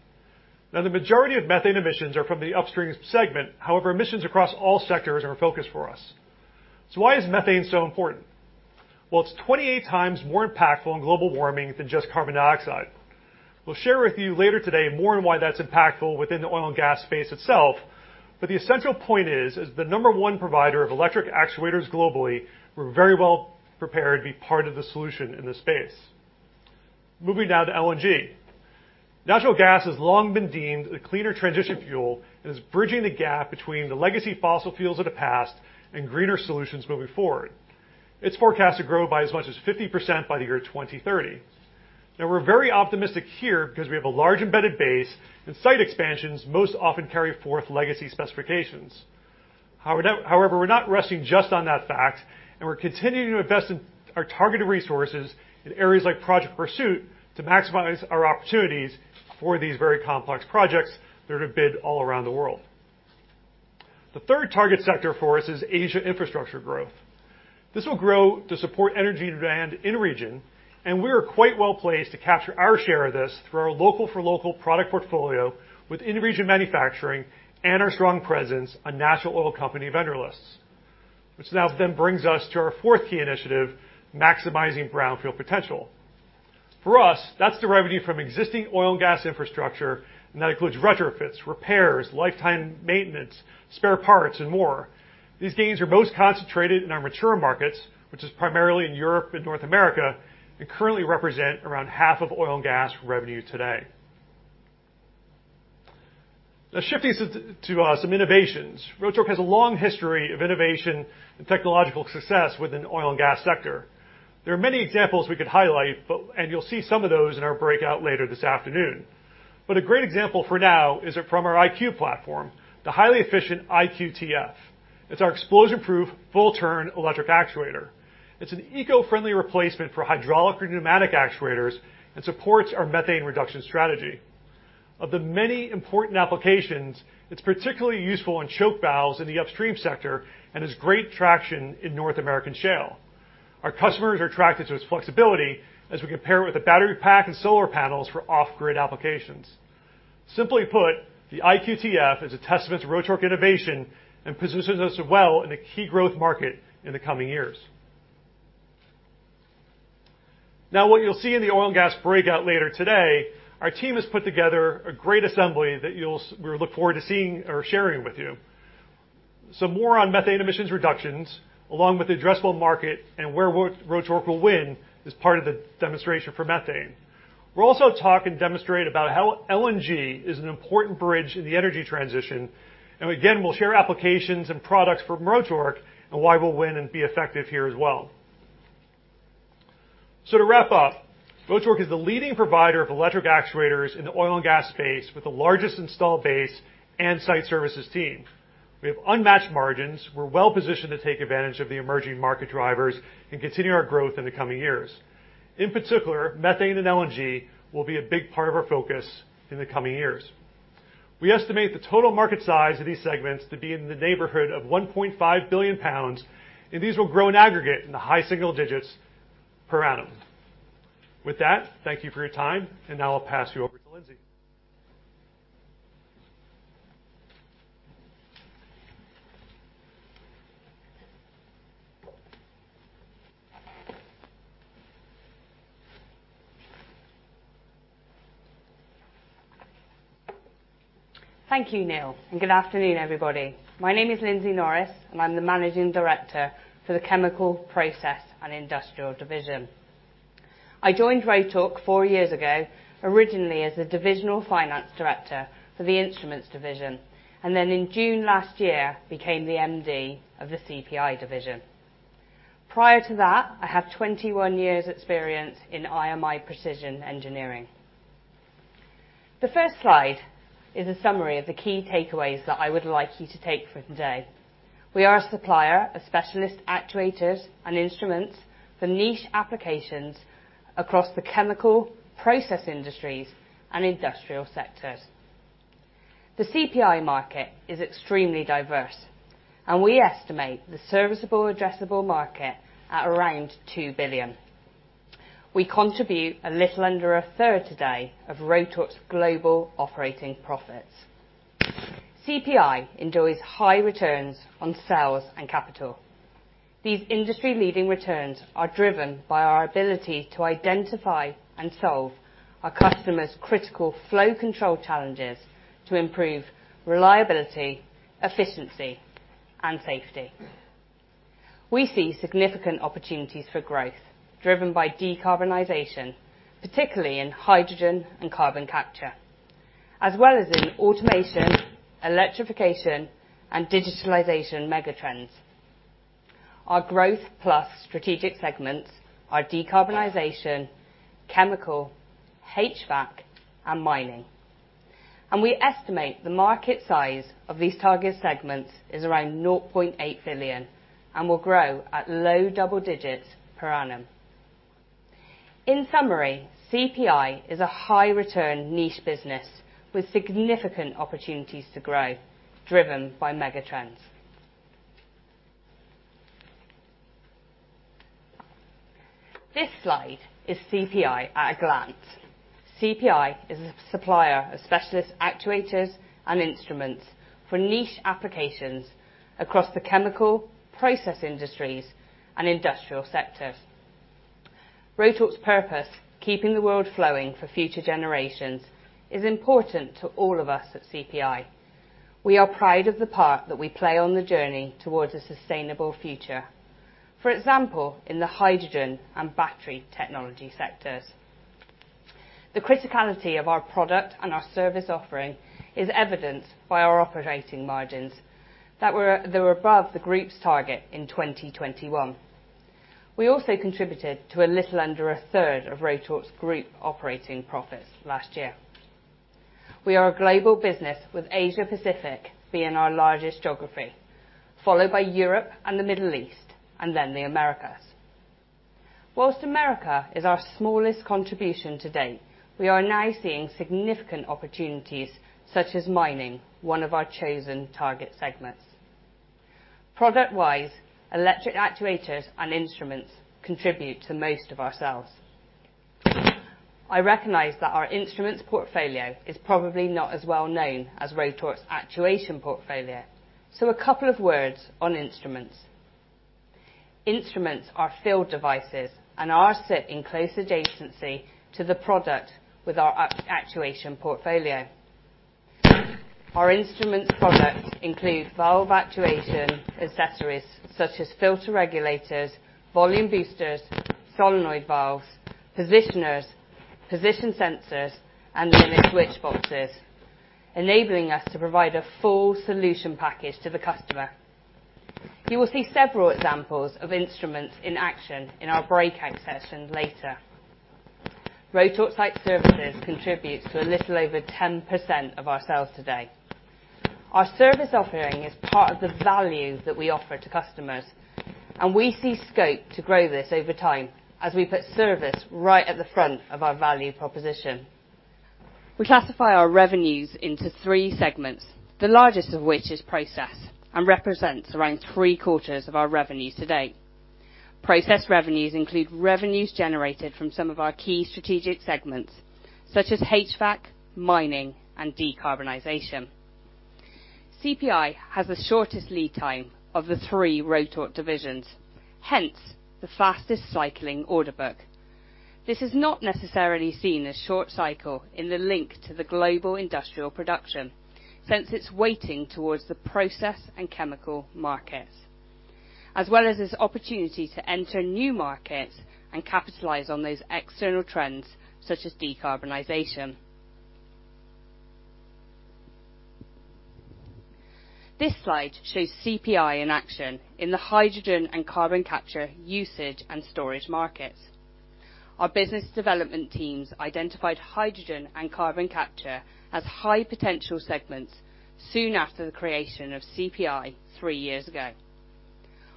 Now, the majority of methane emissions are from the upstream segment. However, emissions across all sectors are a focus for us. Why is methane so important? Well, it's 28x more impactful in global warming than just carbon dioxide. We'll share with you later today more on why that's impactful within the oil and gas space itself, but the essential point is, as the number one provider of electric actuators globally, we're very well prepared to be part of the solution in this space. Moving now to LNG. Natural gas has long been deemed the cleaner transition fuel and is bridging the gap between the legacy fossil fuels of the past and greener solutions moving forward. It's forecast to grow by as much as 50% by the year 2030. Now we're very optimistic here because we have a large embedded base, and site expansions most often carry forth legacy specifications. However, we're not resting just on that fact, and we're continuing to invest in our targeted resources in areas like project pursuit to maximize our opportunities for these very complex projects that are bid all around the world. The third target sector for us is Asia infrastructure growth. This will grow to support energy demand in region, and we are quite well-placed to capture our share of this through our local for local product portfolio with in-region manufacturing and our strong presence on national oil company vendor lists. Which now then brings us to our fourth key initiative, maximizing brownfield potential. For us, that's the revenue from existing oil and gas infrastructure, and that includes retrofits, repairs, lifetime maintenance, spare parts, and more. These gains are most concentrated in our mature markets, which is primarily in Europe and North America, and currently represent around half of oil and gas revenue today. Now shifting to some innovations. Rotork has a long history of innovation and technological success within the oil and gas sector. There are many examples we could highlight and you'll see some of those in our breakout later this afternoon. A great example for now is from our IQ platform, the highly efficient IQTF. It's our explosion-proof, full-turn electric actuator. It's an eco-friendly replacement for hydraulic or pneumatic actuators and supports our methane reduction strategy. Of the many important applications, it's particularly useful in choke valves in the upstream sector and has great traction in North American shale. Our customers are attracted to its flexibility as we compare it with a battery pack and solar panels for off-grid applications. Simply put, the IQTF is a testament to Rotork innovation and positions us well in a key growth market in the coming years. Now, what you'll see in the Oil & Gas breakout later today, our team has put together a great assembly that we look forward to seeing or sharing with you. Some more on methane emissions reductions, along with the addressable market and where Rotork will win as part of the demonstration for methane. We'll also talk and demonstrate about how LNG is an important bridge in the energy transition. Again, we'll share applications and products from Rotork and why we'll win and be effective here as well. To wrap up, Rotork is the leading provider of electric actuators in the oil and gas space with the largest installed base and site services team. We have unmatched margins. We're well-positioned to take advantage of the emerging market drivers and continue our growth in the coming years. In particular, methane and LNG will be a big part of our focus in the coming years. We estimate the total market size of these segments to be in the neighborhood of 1.5 billion pounds, and these will grow in aggregate in the high single digits per annum. With that, thank you for your time, and now I'll pass you over to Lyndsey.
Thank you, Neil, and good afternoon, everybody. My name is Lyndsey Norris, and I'm the Managing Director for the Chemical, Process and Industrial division. I joined Rotork four years ago, originally as the divisional Finance Director for the Instruments division, and then in June last year, became the MD of the CPI division. Prior to that, I have 21 years experience in IMI Precision Engineering. The first slide is a summary of the key takeaways that I would like you to take for today. We are a supplier of specialist actuators and instruments for niche applications across the chemical process industries and industrial sectors. The CPI market is extremely diverse, and we estimate the serviceable addressable market at around 2 billion. We contribute a little under 1/3 today of Rotork's global operating profits. CPI enjoys high returns on sales and capital. These industry-leading returns are driven by our ability to identify and solve our customers' critical flow control challenges to improve reliability, efficiency, and safety. We see significant opportunities for growth driven by decarbonization, particularly in hydrogen and carbon capture, as well as in automation, electrification, and digitalization megatrends. Our Growth+ strategic segments are decarbonization, chemical, HVAC, and mining. We estimate the market size of these target segments is around 0.8 billion and will grow at low double digits per annum. In summary, CPI is a high-return niche business with significant opportunities to grow driven by megatrends. This slide is CPI at a glance. CPI is a supplier of specialist actuators and instruments for niche applications across the chemical, process industries, and industrial sectors. Rotork's purpose, keeping the world flowing for future generations, is important to all of us at CPI. We are proud of the part that we play on the journey towards a sustainable future, for example, in the hydrogen and battery technology sectors. The criticality of our product and our service offering is evidenced by our operating margins that were above the group's target in 2021. We also contributed to a little under 1/3 of Rotork's group operating profits last year. We are a global business, with Asia-Pacific being our largest geography, followed by Europe and the Middle East, and then the Americas. While America is our smallest contribution to date, we are now seeing significant opportunities such as mining, one of our chosen target segments. Product-wise, electric actuators and instruments contribute to most of our sales. I recognize that our instruments portfolio is probably not as well known as Rotork's actuation portfolio, so a couple of words on instruments. Instruments are field devices and sit in close adjacency to the product with our actuation portfolio. Our instruments products include valve actuation accessories such as filter regulators, volume boosters, solenoid valves, positioners, position sensors, and limit switch boxes, enabling us to provide a full solution package to the customer. You will see several examples of instruments in action in our breakout session later. Rotork Site Services contributes to a little over 10% of our sales today. Our service offering is part of the value that we offer to customers, and we see scope to grow this over time as we put service right at the front of our value proposition. We classify our revenues into three segments, the largest of which is process, and represents around three-quarters of our revenues today. Process revenues include revenues generated from some of our key strategic segments such as HVAC, mining, and decarbonization. CPI has the shortest lead time of the three Rotork divisions, hence the fastest cycling order book. This is not necessarily seen as short cycle in the link to the global industrial production, since it's weighting towards the process and chemical markets. As well as there's opportunity to enter new markets and capitalize on those external trends such as decarbonization. This slide shows CPI in action in the hydrogen and carbon capture usage and storage markets. Our business development teams identified hydrogen and carbon capture as high potential segments soon after the creation of CPI three years ago.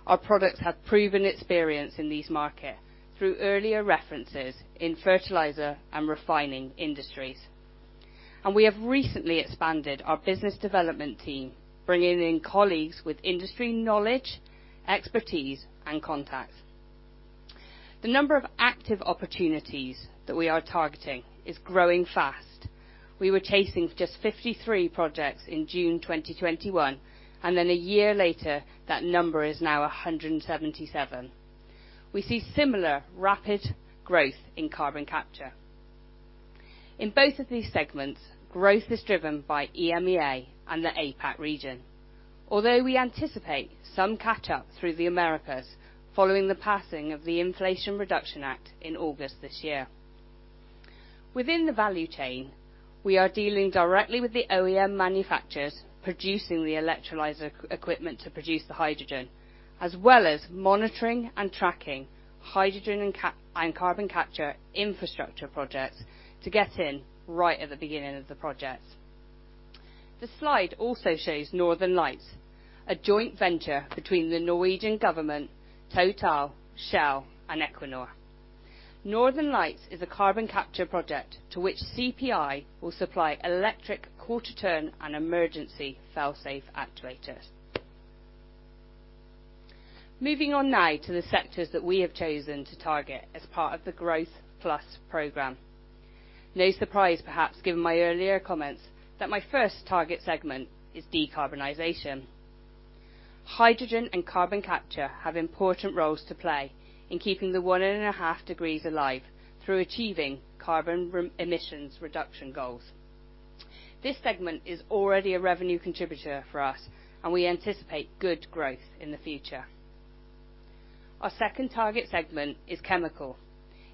Our products have proven experience in these markets through earlier references in fertilizer and refining industries. We have recently expanded our business development team, bringing in colleagues with industry knowledge, expertise, and contacts. The number of active opportunities that we are targeting is growing fast. We were chasing just 53 projects in June 2021, and then a year later, that number is now 177. We see similar rapid growth in carbon capture. In both of these segments, growth is driven by EMEA and the APAC region. Although we anticipate some catch-up through the Americas following the passing of the Inflation Reduction Act in August this year. Within the value chain, we are dealing directly with the OEM manufacturers producing the electrolyzer equipment to produce the hydrogen, as well as monitoring and tracking hydrogen and carbon capture infrastructure projects to get in right at the beginning of the projects. The slide also shows Northern Lights, a joint venture between the Norwegian government, Total, Shell, and Equinor. Northern Lights is a carbon capture project to which CPI will supply electric quarter turn and emergency fail-safe actuators. Moving on now to the sectors that we have chosen to target as part of the Growth+ program. No surprise perhaps given my earlier comments that my first target segment is decarbonization. Hydrogen and carbon capture have important roles to play in keeping the one and a half degrees alive through achieving carbon emissions reduction goals. This segment is already a revenue contributor for us, and we anticipate good growth in the future. Our second target segment is chemical.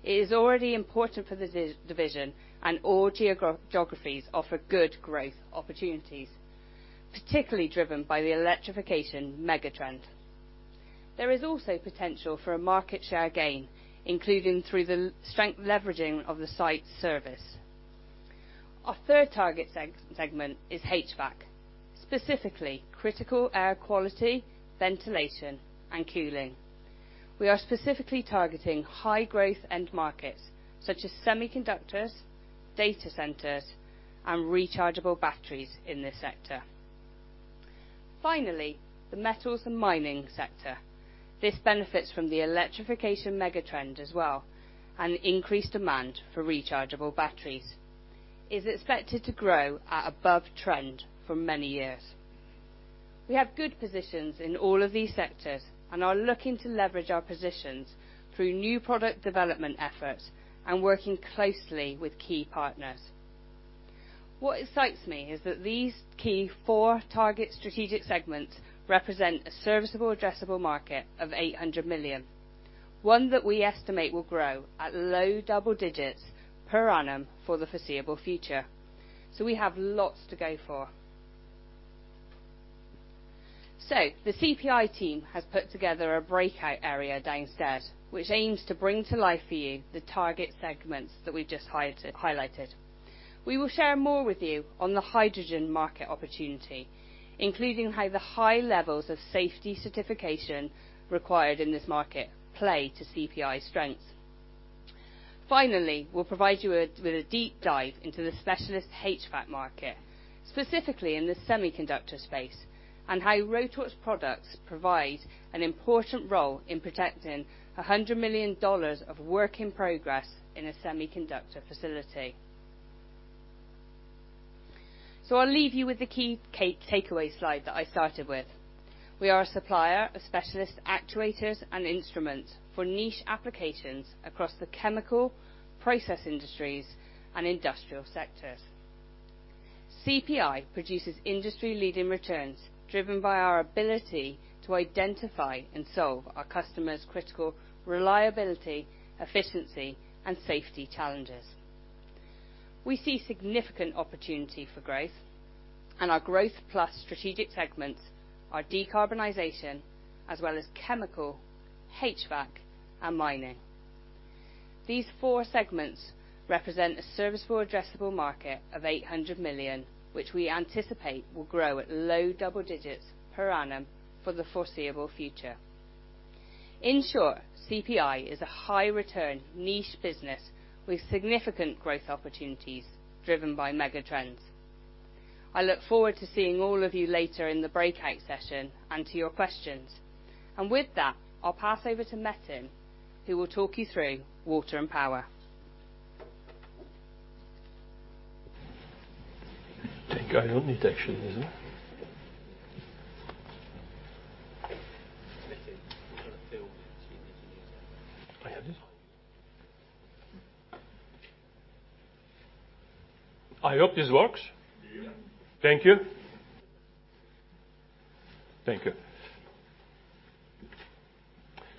It is already important for this division and all geographies offer good growth opportunities, particularly driven by the electrification mega trend. There is also potential for a market share gain, including through the strength leveraging of the site service. Our third target segment is HVAC, specifically critical air quality, ventilation and cooling. We are specifically targeting high growth end markets such as semiconductors, data centers and rechargeable batteries in this sector. Finally, the metals and mining sector. This benefits from the electrification mega trend as well, and increased demand for rechargeable batteries is expected to grow at above trend for many years. We have good positions in all of these sectors and are looking to leverage our positions through new product development efforts and working closely with key partners. What excites me is that these key four target strategic segments represent a serviceable addressable market of 800 million, one that we estimate will grow at low double digits per annum for the foreseeable future. We have lots to go for. The CPI team has put together a breakout area downstairs, which aims to bring to life for you the target segments that we've just highlighted. We will share more with you on the hydrogen market opportunity, including how the high levels of safety certification required in this market play to CPI's strengths. Finally, we'll provide you with a deep dive into the specialist HVAC market, specifically in the semiconductor space, and how Rotork's products provide an important role in protecting $100 million of work in progress in a semiconductor facility. I'll leave you with the key takeaway slide that I started with. We are a supplier of specialist actuators and instruments for niche applications across the chemical, process industries and industrial sectors. CPI produces industry-leading returns driven by our ability to identify and solve our customers' critical reliability, efficiency and safety challenges. We see significant opportunity for growth and our Growth+ strategic segments are decarbonization as well as chemical, HVAC and mining. These four segments represent a serviceable addressable market of 800 million, which we anticipate will grow at low double digits per annum for the foreseeable future. In short, CPI is a high return niche business with significant growth opportunities driven by mega trends. I look forward to seeing all of you later in the breakout session and to your questions. With that, I'll pass over to Metin, who will talk you through Water & Power.
I think I don't need actually this one.
Metin, we've got a field that you need.
I have this one. I hope this works.
We hear you.
Thank you. Thank you.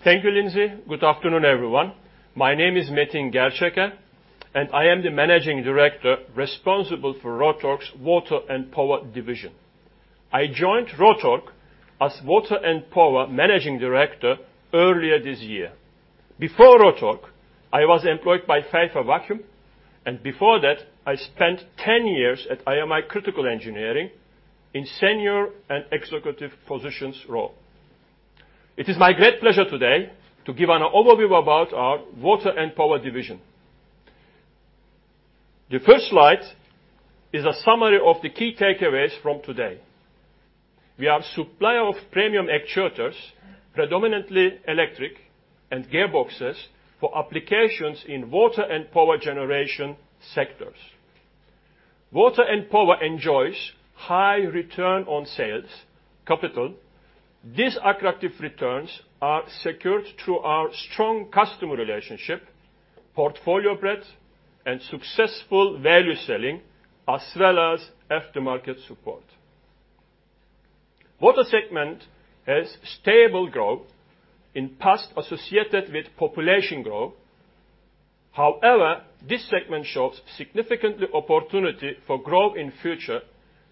Thank you, Lyndsey. Good afternoon, everyone. My name is Metin Gerceker, and I am the Managing Director responsible for Rotork's Water & Power division. I joined Rotork as Water & Power Managing Director earlier this year. Before Rotork, I was employed by Pfeiffer Vacuum, and before that, I spent 10 years at IMI Critical Engineering in senior and executive positions role. It is my great pleasure today to give an overview about our Water & Power division. The first slide is a summary of the key takeaways from today. We are supplier of premium actuators, predominantly electric and gearboxes for applications in water and power generation sectors. Water & Power enjoys high return on sales capital. These attractive returns are secured through our strong customer relationship, portfolio breadth and successful value selling, as well as aftermarket support. Water segment has stable growth in past associated with population growth. However, this segment shows significant opportunity for growth in future,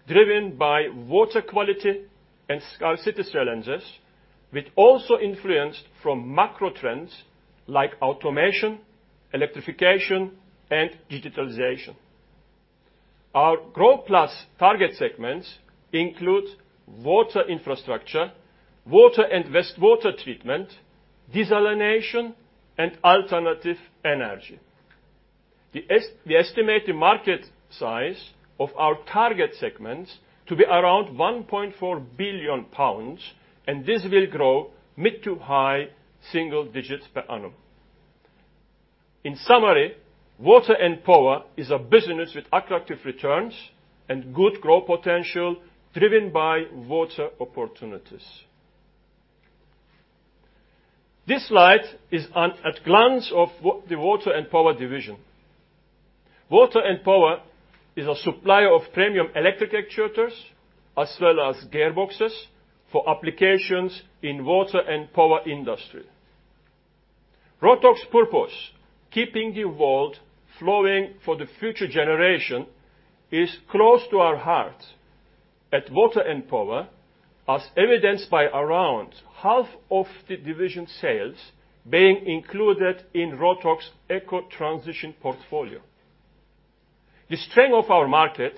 driven by water quality and scarcity challenges, which also influenced from macro trends like automation, electrification, and digitalization. Our Growth+ target segments include water infrastructure, water and wastewater treatment, desalination and alternative energy. The estimated market size of our target segments to be around 1.4 billion pounds, and this will grow mid to high single-digit per annum. In summary, Water & Power is a business with attractive returns and good growth potential driven by water opportunities. This slide is at a glance of the Water & Power division. Water & Power is a supplier of premium electric actuators, as well as gearboxes for applications in water & power industry. Rotork's purpose, keeping the world flowing for the future generation, is close to our heart at Water and Power, as evidenced by around half of the division sales being included in Rotork's eco-transition portfolio. The strength of our market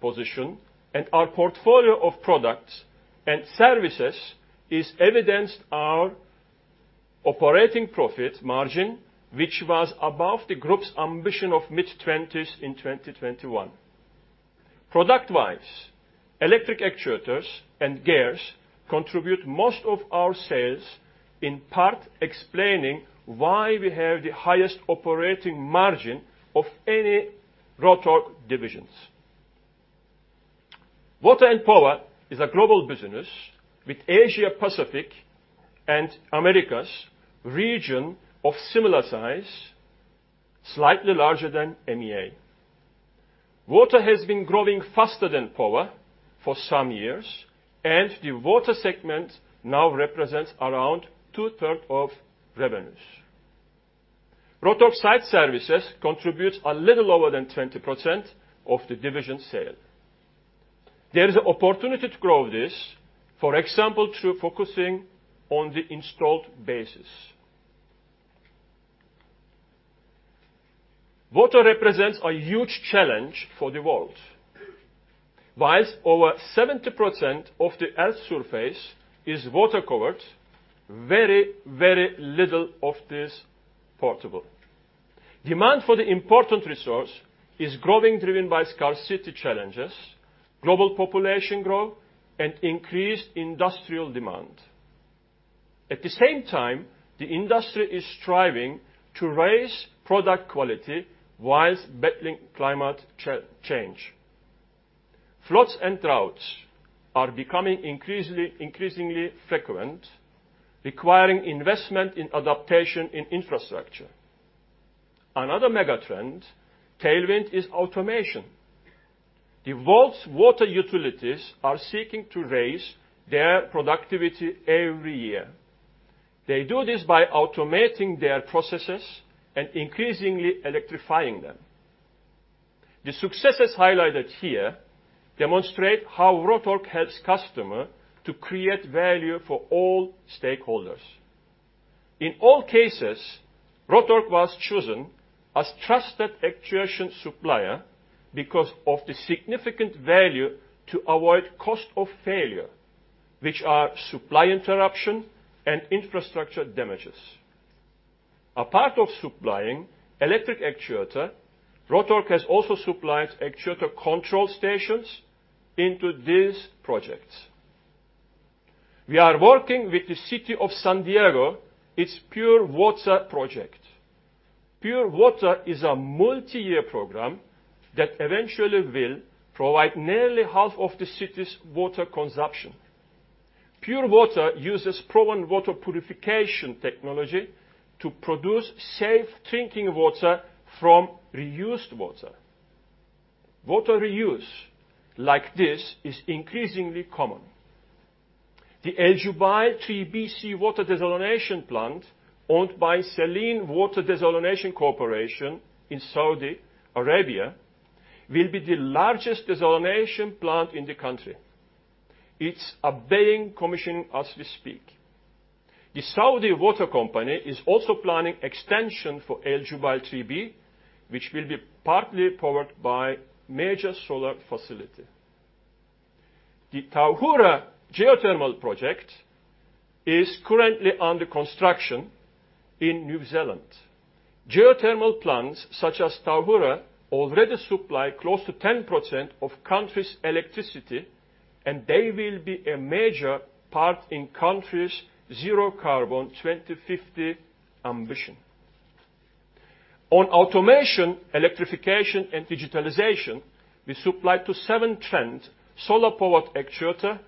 position and our portfolio of products and services is evidenced by our operating profit margin, which was above the group's ambition of mid-20s in 2021. Product-wise, electric actuators and gears contribute most of our sales, in part explaining why we have the highest operating margin of any Rotork divisions. Water & Power is a global business with Asia Pacific and Americas region of similar size, slightly larger than EMEA. Water has been growing faster than Power for some years, and the water segment now represents around 2/3 of revenues. Rotork Site Services contributes a little lower than 20% of the division sale. There is opportunity to grow this, for example, through focusing on the installed bases. Water represents a huge challenge for the world. While over 70% of the earth surface is water-covered, very, very little of this potable. Demand for the important resource is growing, driven by scarcity challenges, global population growth, and increased industrial demand. At the same time, the industry is striving to raise product quality while battling climate change. Floods and droughts are becoming increasingly frequent, requiring investment in adaptation in infrastructure. Another mega trend tailwind is automation. The world's water utilities are seeking to raise their productivity every year. They do this by automating their processes and increasingly electrifying them. The successes highlighted here demonstrate how Rotork helps customer to create value for all stakeholders. In all cases, Rotork was chosen as trusted actuation supplier because of the significant value to avoid cost of failure, which are supply interruption and infrastructure damages. As part of supplying electric actuators, Rotork has also supplied actuator control stations into these projects. We are working with the city of San Diego on its pure water project. Pure water is a multi-year program that eventually will provide nearly half of the city's water consumption. Pure water uses proven water purification technology to produce safe drinking water from reused water. Water reuse like this is increasingly common. The Al Jubail 3B water desalination plant owned by Saline Water Conversion Corporation in Saudi Arabia will be the largest desalination plant in the country. It's undergoing commissioning as we speak. The Saudi Water Company is also planning extension for Al Jubail 3B, which will be partly powered by a major solar facility. The Tauhara Geothermal Project is currently under construction in New Zealand. Geothermal plants, such as Tauhara, already supply close to 10% of the country's electricity, and they will be a major part in the country's zero carbon 2050 ambition. On automation, electrification, and digitalization, we supplied to Severn Trent a solar-powered actuator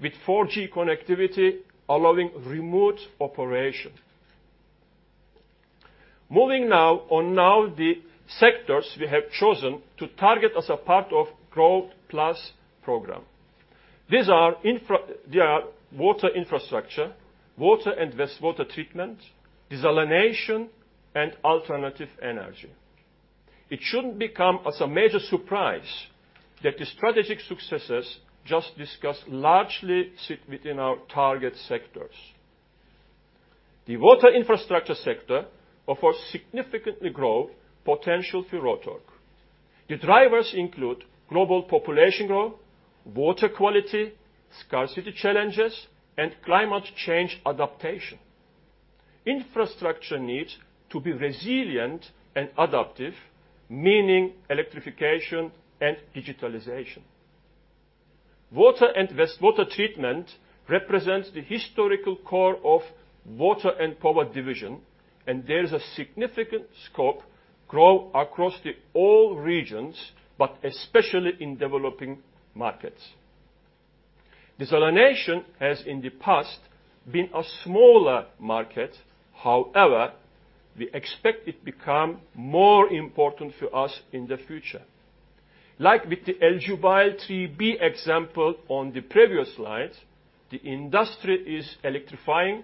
with 4G connectivity, allowing remote operation. Moving now on the sectors we have chosen to target as a part of Growth+ program. These are water infrastructure, water and wastewater treatment, desalination, and alternative energy. It shouldn't come as a major surprise that the strategic successes just discussed largely sit within our target sectors. The water infrastructure sector offers significant growth potential for Rotork. The drivers include global population growth, water quality, scarcity challenges, and climate change adaptation. Infrastructure needs to be resilient and adaptive, meaning electrification and digitalization. Water and wastewater treatment represents the historical core of Water & Power division, and there is a significant scope to grow across all the regions, but especially in developing markets. Desalination has in the past been a smaller market. However, we expect it to become more important for us in the future. Like with the Al Jubail 3B example on the previous slide, the industry is electrifying,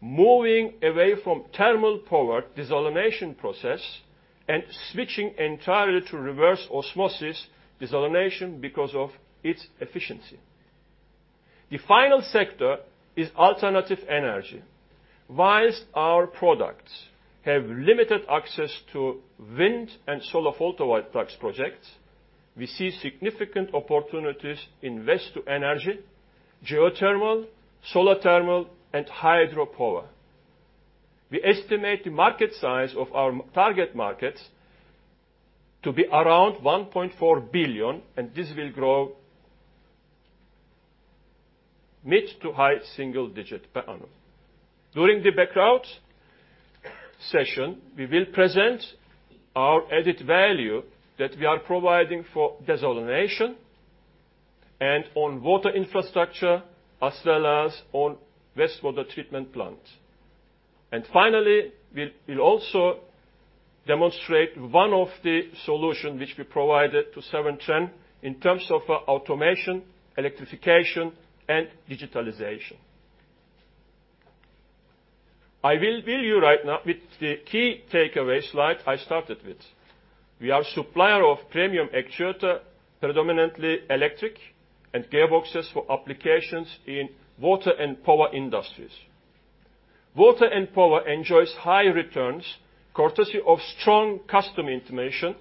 moving away from thermal power desalination process and switching entirely to reverse osmosis desalination because of its efficiency. The final sector is alternative energy. While our products have limited access to wind and solar photovoltaic projects, we see significant opportunities in waste to energy, geothermal, solar thermal, and hydropower. We estimate the market size of our target markets to be around 1.4 billion, and this will grow mid to high-single-digit per annum. During the breakout session, we will present our added value that we are providing for desalination and on water infrastructure as well as on wastewater treatment plants. Finally, we'll also demonstrate one of the solution which we provided to Severn Trent in terms of automation, electrification, and digitalization. I will leave you right now with the key takeaway slide I started with. We are supplier of premium actuator, predominantly electric and gearboxes for applications in water and power industries. Water and power enjoys high returns courtesy of strong customer intimacy,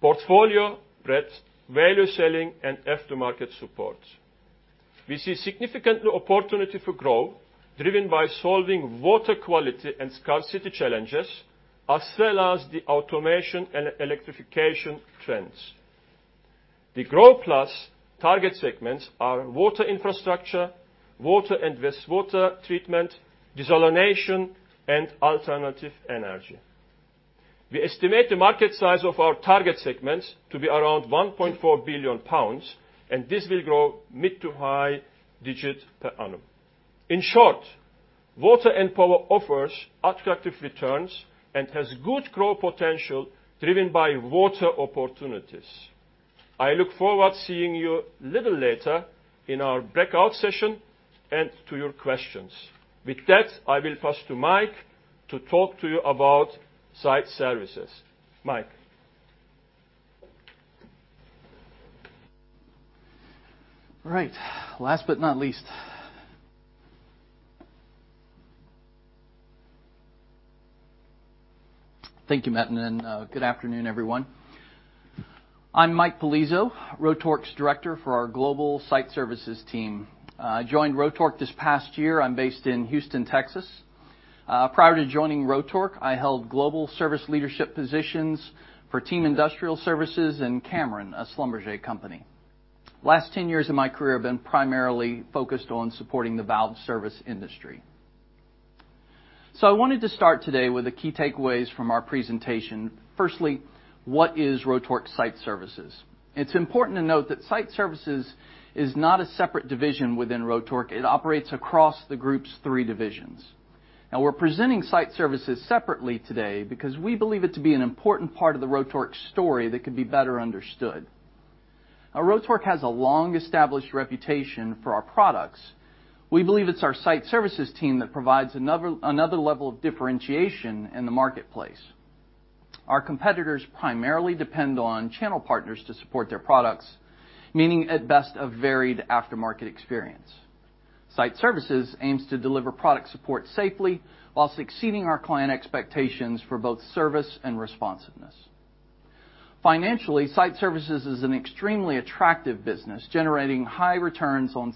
portfolio breadth, value selling, and aftermarket support. We see significant opportunity for growth driven by solving water quality and scarcity challenges as well as the automation and electrification trends. The Growth+ target segments are water infrastructure, water and wastewater treatment, desalination, and alternative energy. We estimate the market size of our target segments to be around 1.4 billion pounds, and this will grow mid to high-single-digit per annum. In short, water and power offers attractive returns and has good growth potential driven by water opportunities. I look forward seeing you a little later in our breakout session and to your questions. With that, I will pass to Mike to talk to you about site services. Mike.
All right. Last but not least. Thank you, Metin, and good afternoon, everyone. I'm Mike Pelezo, Rotork's Director for our global Site Services team. I joined Rotork this past year. I'm based in Houston, Texas. Prior to joining Rotork, I held global service leadership positions for Team Industrial Services and Cameron, a Schlumberger company. Last 10 years of my career have been primarily focused on supporting the valve service industry. I wanted to start today with the key takeaways from our presentation. Firstly, what is Rotork Site Services? It's important to note that Site Services is not a separate division within Rotork. It operates across the group's three divisions. Now, we're presenting Site Services separately today because we believe it to be an important part of the Rotork story that could be better understood. Now, Rotork has a long-established reputation for our products. We believe it's our Site Services team that provides another level of differentiation in the marketplace. Our competitors primarily depend on channel partners to support their products, meaning, at best, a varied aftermarket experience. Site Services aims to deliver product support safely while exceeding our client expectations for both service and responsiveness. Financially, Site Services is an extremely attractive business, generating high returns on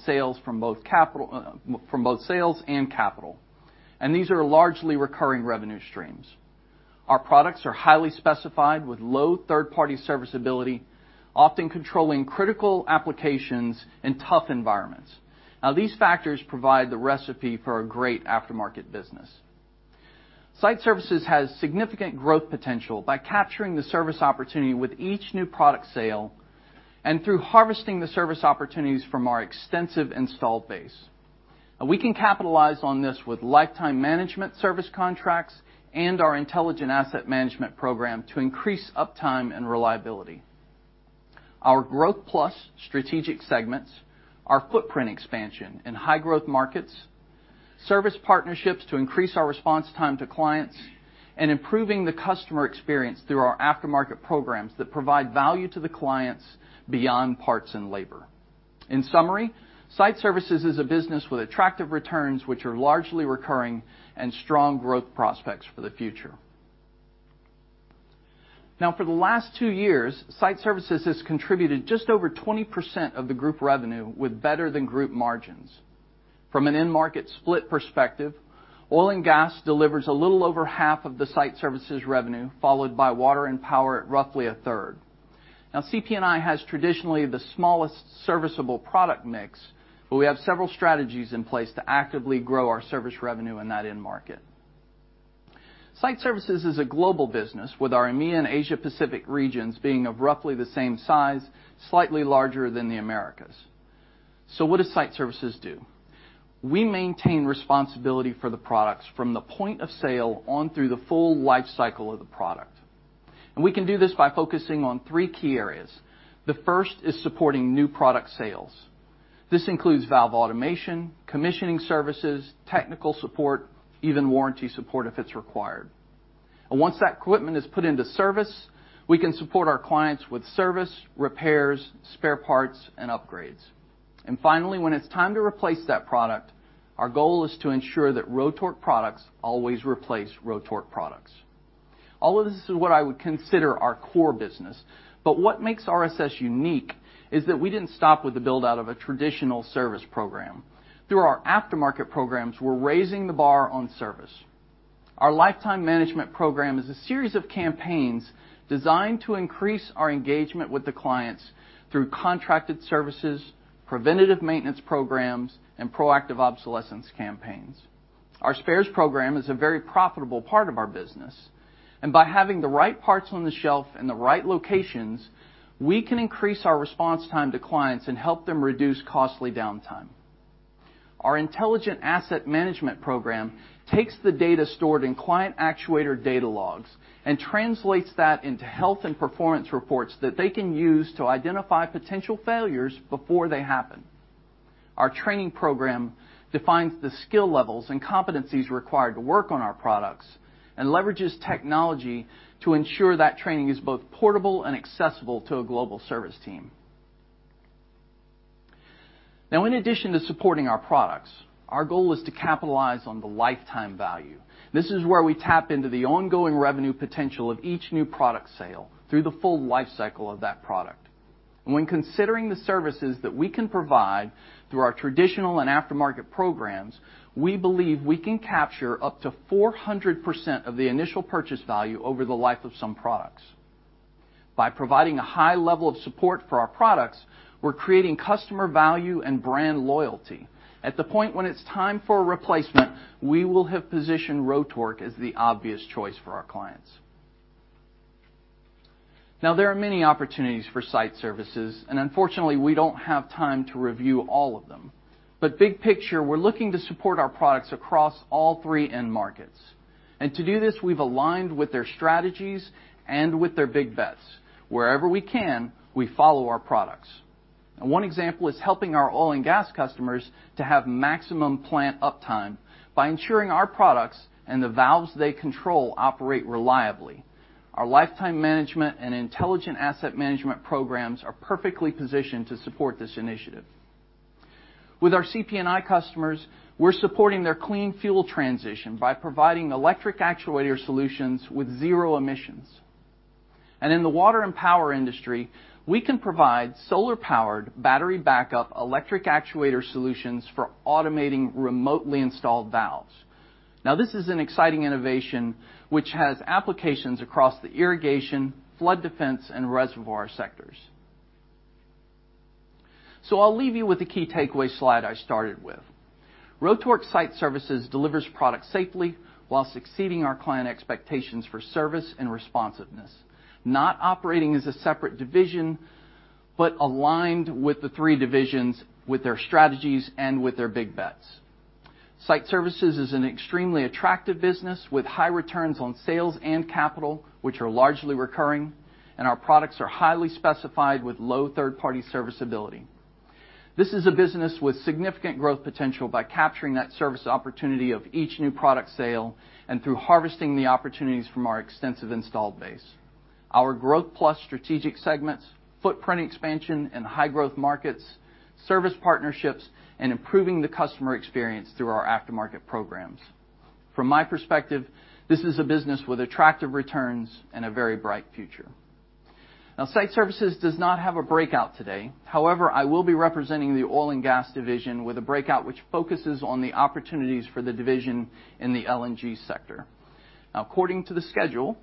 both sales and capital, and these are largely recurring revenue streams. Our products are highly specified with low third-party serviceability, often controlling critical applications in tough environments. These factors provide the recipe for a great aftermarket business. Site Services has significant growth potential by capturing the service opportunity with each new product sale and through harvesting the service opportunities from our extensive installed base. Now we can capitalize on this with lifetime management service contracts and our intelligent asset management program to increase uptime and reliability. Our Growth+ strategic segments, our footprint expansion in high-growth markets, service partnerships to increase our response time to clients, and improving the customer experience through our aftermarket programs that provide value to the clients beyond parts and labor. In summary, Site Services is a business with attractive returns which are largely recurring and strong growth prospects for the future. Now, for the last two years, Site Services has contributed just over 20% of the group revenue with better-than-group margins. From an end market split perspective, Oil & Gas delivers a little over half of the Site Services revenue, followed by Water & Power at roughly 1/3. CP&I has traditionally the smallest serviceable product mix, but we have several strategies in place to actively grow our service revenue in that end market. Site Services is a global business with our EMEA and Asia Pacific regions being of roughly the same size, slightly larger than the Americas. What does Site Services do? We maintain responsibility for the products from the point of sale on through the full life cycle of the product. We can do this by focusing on three key areas. The first is supporting new product sales. This includes valve automation, commissioning services, technical support, even warranty support if it's required. Once that equipment is put into service, we can support our clients with service, repairs, spare parts, and upgrades. Finally, when it's time to replace that product, our goal is to ensure that Rotork products always replace Rotork products. All of this is what I would consider our core business. What makes RSS unique is that we didn't stop with the build-out of a traditional service program. Through our aftermarket programs, we're raising the bar on service. Our lifetime management program is a series of campaigns designed to increase our engagement with the clients through contracted services, preventative maintenance programs, and proactive obsolescence campaigns. Our spares program is a very profitable part of our business, and by having the right parts on the shelf in the right locations, we can increase our response time to clients and help them reduce costly downtime. Our intelligent asset management program takes the data stored in client actuator data logs and translates that into health and performance reports that they can use to identify potential failures before they happen. Our training program defines the skill levels and competencies required to work on our products and leverages technology to ensure that training is both portable and accessible to a global service team. Now, in addition to supporting our products, our goal is to capitalize on the lifetime value. This is where we tap into the ongoing revenue potential of each new product sale through the full life cycle of that product. When considering the services that we can provide through our traditional and aftermarket programs, we believe we can capture up to 400% of the initial purchase value over the life of some products. By providing a high level of support for our products, we're creating customer value and brand loyalty. At the point when it's time for a replacement, we will have positioned Rotork as the obvious choice for our clients. Now, there are many opportunities for Site Services, and unfortunately, we don't have time to review all of them. Big picture, we're looking to support our products across all three end markets. To do this, we've aligned with their strategies and with their big bets. Wherever we can, we follow our products. One example is helping our oil and gas customers to have maximum plant uptime by ensuring our products and the valves they control operate reliably. Our lifetime management and intelligent asset management programs are perfectly positioned to support this initiative. With our CP&I customers, we're supporting their clean fuel transition by providing electric actuator solutions with zero emissions. In the water and power industry, we can provide solar powered battery backup electric actuator solutions for automating remotely installed valves. This is an exciting innovation which has applications across the irrigation, flood defense, and reservoir sectors. I'll leave you with the key takeaway slide I started with. Rotork Site Services delivers products safely while exceeding our client expectations for service and responsiveness, not operating as a separate division, but aligned with the three divisions with their strategies and with their big bets. Site Services is an extremely attractive business with high returns on sales and capital, which are largely recurring, and our products are highly specified with low third-party serviceability. This is a business with significant growth potential by capturing that service opportunity of each new product sale and through harvesting the opportunities from our extensive installed base. Our Growth+ strategic segments, footprint expansion in high growth markets, service partnerships, and improving the customer experience through our aftermarket programs. From my perspective, this is a business with attractive returns and a very bright future. Now, Site Services does not have a breakout today. However, I will be representing the oil and gas division with a breakout which focuses on the opportunities for the division in the LNG sector. Now, according to the schedule,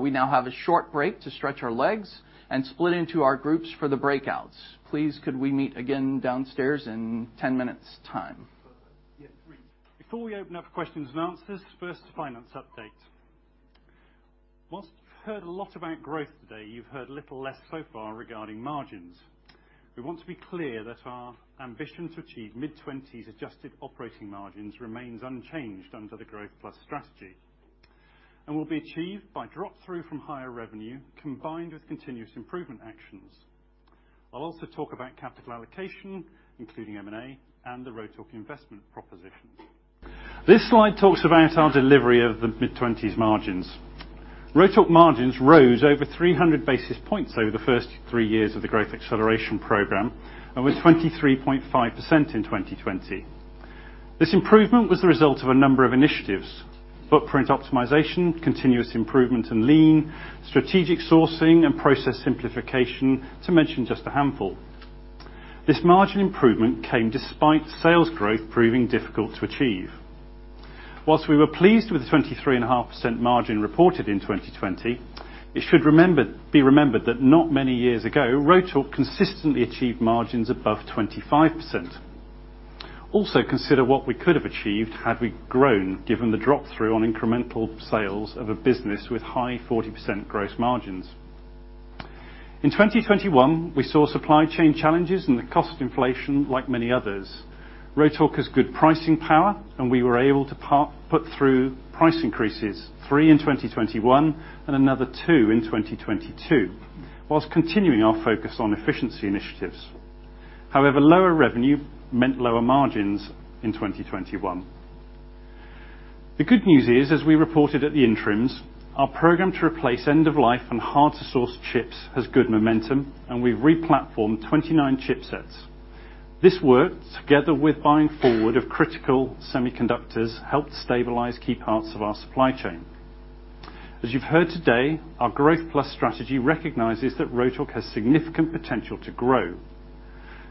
we now have a short break to stretch our legs and split into our groups for the breakouts. Please could we meet again downstairs in 10 minutes time?
Before we open up questions and answers, first, finance update. While you've heard a lot about growth today, you've heard a little less so far regarding margins. We want to be clear that our ambition to achieve mid-20s adjusted operating margins remains unchanged under the Growth+ strategy and will be achieved by drop-through from higher revenue combined with continuous improvement actions. I'll also talk about capital allocation, including M&A and the Rotork investment proposition. This slide talks about our delivery of the mid-20s margins. Rotork margins rose over 300 basis points over the first three years of the growth acceleration program and were 23.5% in 2020. This improvement was the result of a number of initiatives. Footprint optimization, continuous improvement in lean, strategic sourcing and process simplification to mention just a handful. This margin improvement came despite sales growth proving difficult to achieve. While we were pleased with the 23.5% margin reported in 2020, it should be remembered that not many years ago, Rotork consistently achieved margins above 25%. Also consider what we could have achieved had we grown, given the drop through on incremental sales of a business with high 40% gross margins. In 2021, we saw supply chain challenges and the cost inflation like many others. Rotork has good pricing power, and we were able to put through price increases, three in 2021 and another two in 2022, while continuing our focus on efficiency initiatives. However, lower revenue meant lower margins in 2021. The good news is, as we reported at the interims, our program to replace end of life and hard to source chips has good momentum, and we've re-platformed 29 chipsets. This work, together with buying forward of critical semiconductors, helped stabilize key parts of our supply chain. As you've heard today, our Growth+ strategy recognizes that Rotork has significant potential to grow.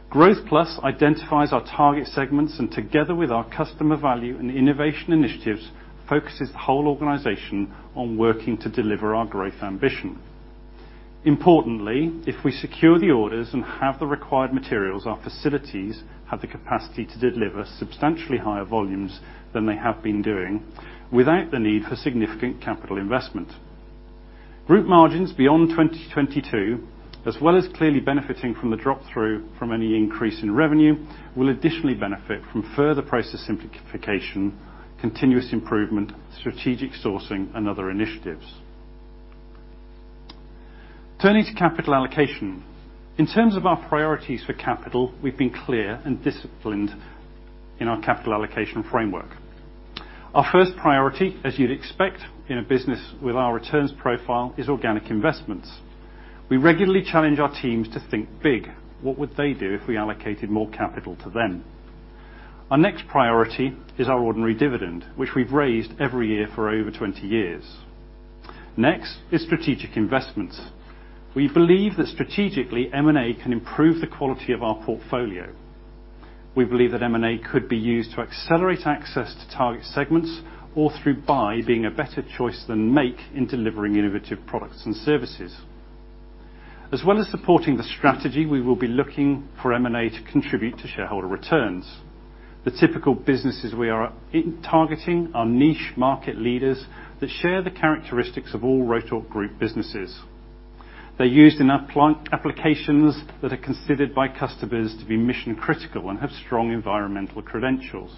Growth+ identifies our target segments and together with our customer value and innovation initiatives, focuses the whole organization on working to deliver our growth ambition. Importantly, if we secure the orders and have the required materials, our facilities have the capacity to deliver substantially higher volumes than they have been doing without the need for significant capital investment. Group margins beyond 2022, as well as clearly benefiting from the drop through from any increase in revenue, will additionally benefit from further process simplification, continuous improvement, strategic sourcing, and other initiatives. Turning to capital allocation. In terms of our priorities for capital, we've been clear and disciplined in our capital allocation framework. Our first priority, as you'd expect in a business with our returns profile, is organic investments. We regularly challenge our teams to think big. What would they do if we allocated more capital to them? Our next priority is our ordinary dividend, which we've raised every year for over 20 years. Next is strategic investments. We believe that strategically, M&A can improve the quality of our portfolio. We believe that M&A could be used to accelerate access to target segments or through buy being a better choice than make in delivering innovative products and services. As well as supporting the strategy, we will be looking for M&A to contribute to shareholder returns. The typical businesses we are targeting are niche market leaders that share the characteristics of all Rotork Group businesses. They're used in applications that are considered by customers to be mission-critical and have strong environmental credentials.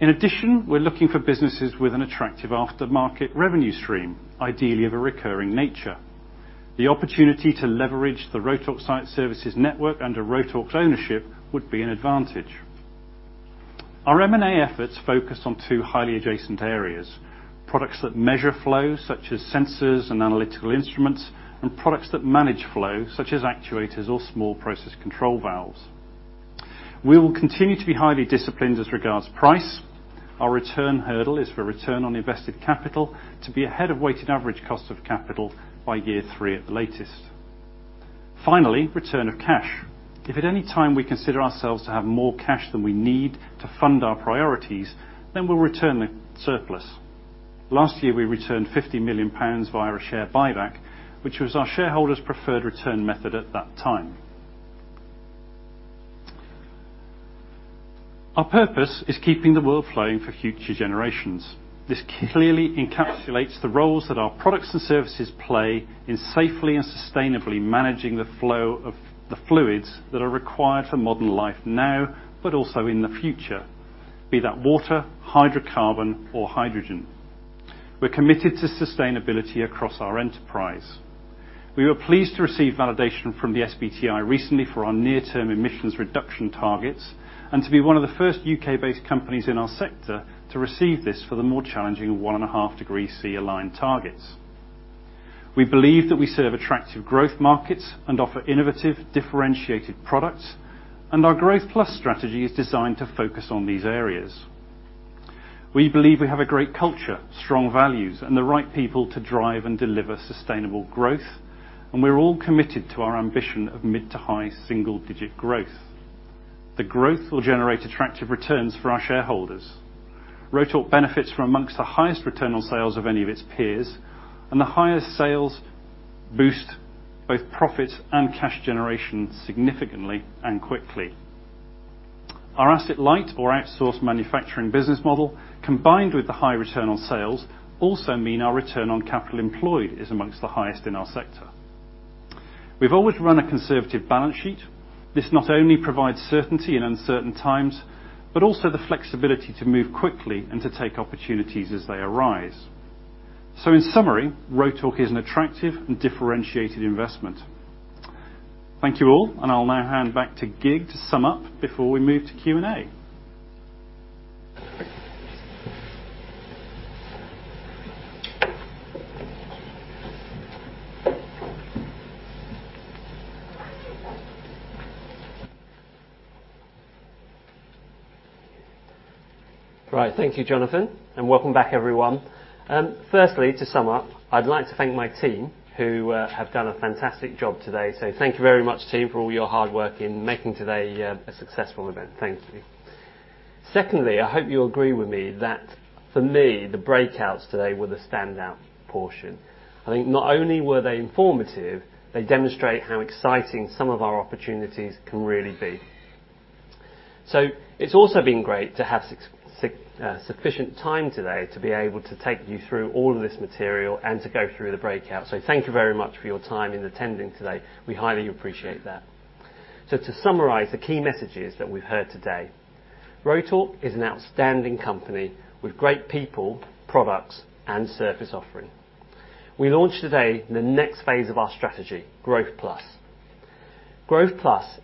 In addition, we're looking for businesses with an attractive aftermarket revenue stream, ideally of a recurring nature. The opportunity to leverage the Rotork site services network under Rotork's ownership would be an advantage. Our M&A efforts focus on two highly adjacent areas, products that measure flow, such as sensors and analytical instruments, and products that manage flow, such as actuators or small process control valves. We will continue to be highly disciplined as regards price. Our return hurdle is for Return on Invested Capital to be ahead of Weighted Average Cost of Capital by year three at the latest. Finally, return of cash. If at any time we consider ourselves to have more cash than we need to fund our priorities, then we'll return the surplus. Last year, we returned 50 million pounds via a share buyback, which was our shareholders' preferred return method at that time. Our purpose is keeping the world flowing for future generations. This clearly encapsulates the roles that our products and services play in safely and sustainably managing the flow of the fluids that are required for modern life now, but also in the future, be that water, hydrocarbon, or hydrogen. We're committed to sustainability across our enterprise. We were pleased to receive validation from the SBTi recently for our near term emissions reduction targets and to be one of the first U.K. based companies in our sector to receive this for the more challenging 1.5 degree C aligned targets. We believe that we serve attractive growth markets and offer innovative, differentiated products, and our Growth+ strategy is designed to focus on these areas. We believe we have a great culture, strong values, and the right people to drive and deliver sustainable growth, and we're all committed to our ambition of mid to high-single-digit growth. The growth will generate attractive returns for our shareholders. Rotork benefits from among the highest return on sales of any of its peers, and the highest sales boost both profits and cash generation significantly and quickly. Our asset-light or outsourced manufacturing business model, combined with the high return on sales, also mean our return on capital employed is among the highest in our sector. We've always run a conservative balance sheet. This not only provides certainty in uncertain times, but also the flexibility to move quickly and to take opportunities as they arise. In summary, Rotork is an attractive and differentiated investment. Thank you all, and I'll now hand back to Kiet to sum up before we move to Q&A.
Right. Thank you, Jonathan, and welcome back everyone. Firstly, to sum up, I'd like to thank my team who have done a fantastic job today. Thank you very much team for all your hard work in making today a successful event. Thank you. Secondly, I hope you agree with me that for me, the breakouts today were the standout portion. I think not only were they informative, they demonstrate how exciting some of our opportunities can really be. It's also been great to have sufficient time today to be able to take you through all of this material and to go through the breakouts. Thank you very much for your time in attending today. We highly appreciate that. To summarize the key messages that we've heard today, Rotork is an outstanding company with great people, products, and service offering. We launched today the next phase of our strategy, Growth+. Growth+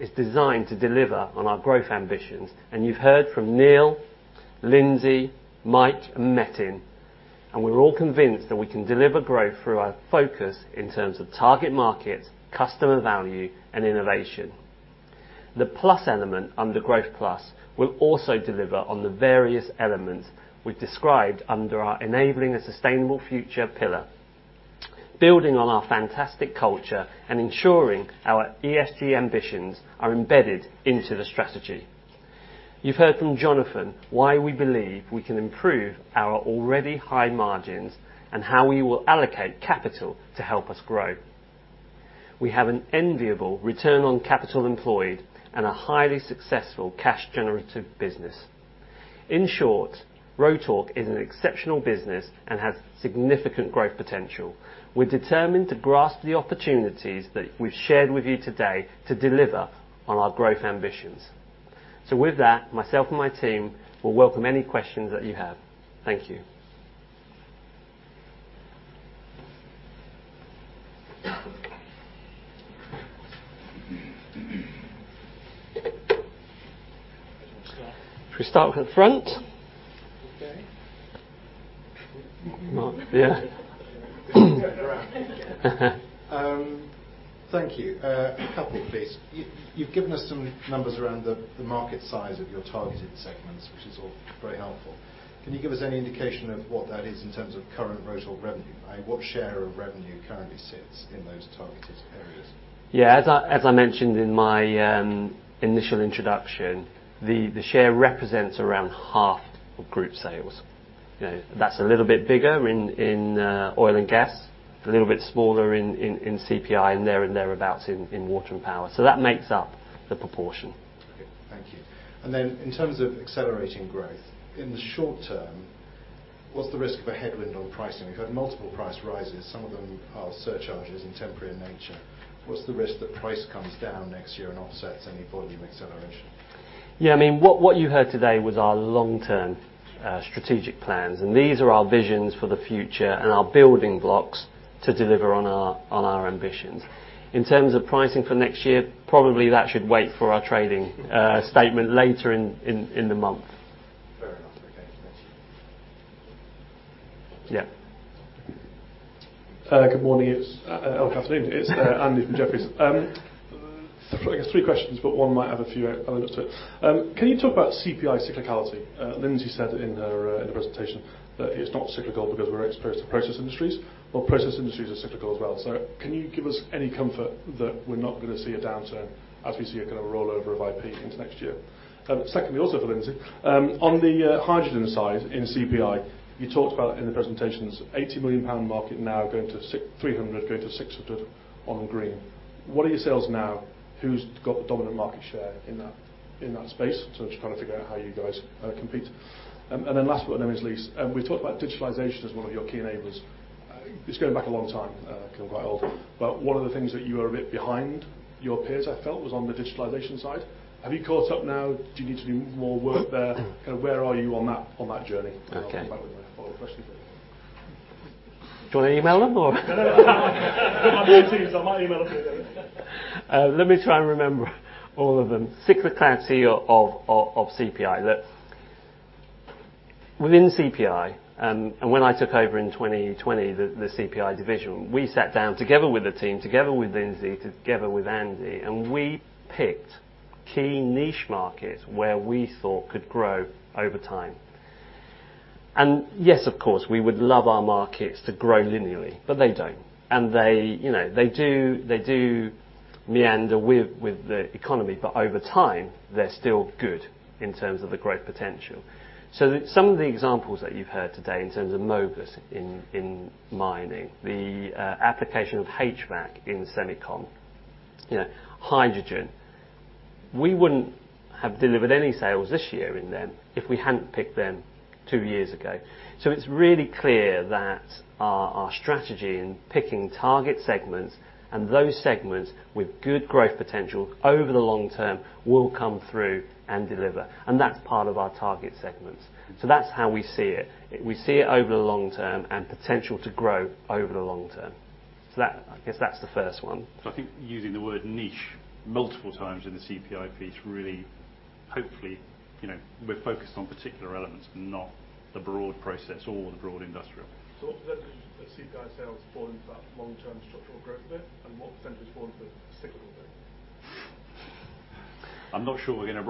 is designed to deliver on our growth ambitions, and you've heard from Neil, Lindsay, Mike, and Metin, and we're all convinced that we can deliver growth through our focus in terms of target markets, customer value, and innovation. The Plus element under Growth+ will also deliver on the various elements we described under our enabling a sustainable future pillar, building on our fantastic culture and ensuring our ESG ambitions are embedded into the strategy. You've heard from Jonathan why we believe we can improve our already high margins and how we will allocate capital to help us grow. We have an enviable return on capital employed and a highly successful cash generative business. In short, Rotork is an exceptional business and has significant growth potential. We're determined to grasp the opportunities that we've shared with you today to deliver on our growth ambitions. With that, myself and my team will welcome any questions that you have. Thank you. Should we start with the front?
Okay.
No. Yeah.
Thank you. A couple, please. You've given us some numbers around the market size of your targeted segments, which is all very helpful. Can you give us any indication of what that is in terms of current Rotork revenue? What share of revenue currently sits in those targeted areas?
Yeah. As I mentioned in my initial introduction, the share represents around half of group sales. You know, that's a little bit bigger in Oil & Gas, a little bit smaller in CPI, and thereabouts in Water & Power. That makes up the proportion.
Okay. Thank you. In terms of accelerating growth, in the short term, what's the risk of a headwind on pricing? We've had multiple price rises. Some of them are surcharges and temporary in nature. What's the risk that price comes down next year and offsets any volume acceleration?
Yeah, I mean, what you heard today was our long-term strategic plans, and these are our visions for the future and our building blocks to deliver on our ambitions. In terms of pricing for next year, probably that should wait for our trading statement later in the month.
Fair enough. Okay, thanks.
Yeah.
Good afternoon. It's Andy from Jefferies. I guess three questions, but one might have a few elements to it. Can you talk about CPI cyclicality? Lyndsey said in her presentation that it's not cyclical because we're exposed to process industries. Well, process industries are cyclical as well. Can you give us any comfort that we're not gonna see a downturn as we see a kind of rollover of IP into next year? Secondly, also for Lyndsey, on the hydrogen side in CPI, you talked about in the presentations 80 million pound market now going to three hundred going to six hundred on green. What are your sales now? Who's got the dominant market share in that space? Just trying to figure out how you guys compete. Last but not least, we talked about digitalization as one of your key enablers. It's going back a long time, 'cause I'm quite old, but one of the things that you are a bit behind your peers, I felt, was on the digitalization side. Have you caught up now? Do you need to do more work there? Kind of where are you on that journey?
Okay.
I'll come back with my follow-up question.
Do you want to email them or?
I've got two, so I might email a few of them.
Let me try and remember all of them. Cyclicality of CPI. Look, within CPI, when I took over in 2020, the CPI division, we sat down together with the team, together with Lyndsey, together with Andy, and we picked key niche markets where we thought could grow over time. Yes, of course, we would love our markets to grow linearly, but they don't. They, you know, they do meander with the economy, but over time, they're still good in terms of the growth potential. Some of the examples that you've heard today in terms of Mogas in mining, the application of HVAC in semiconductor, you know, hydrogen. We wouldn't have delivered any sales this year in them if we hadn't picked them two years ago. It's really clear that our strategy in picking target segments and those segments with good growth potential over the long term will come through and deliver, and that's part of our target segments. That's how we see it. We see it over the long term and potential to grow over the long term. I guess that's the first one.
I think using the word niche multiple times in the CPI piece really Hopefully, you know, we're focused on particular elements, not the broad process or the broad industrial.
What percentage of CPI sales fall into that long-term structural growth bit, and what percentage falls into the cyclical bit?
I'm not sure we're gonna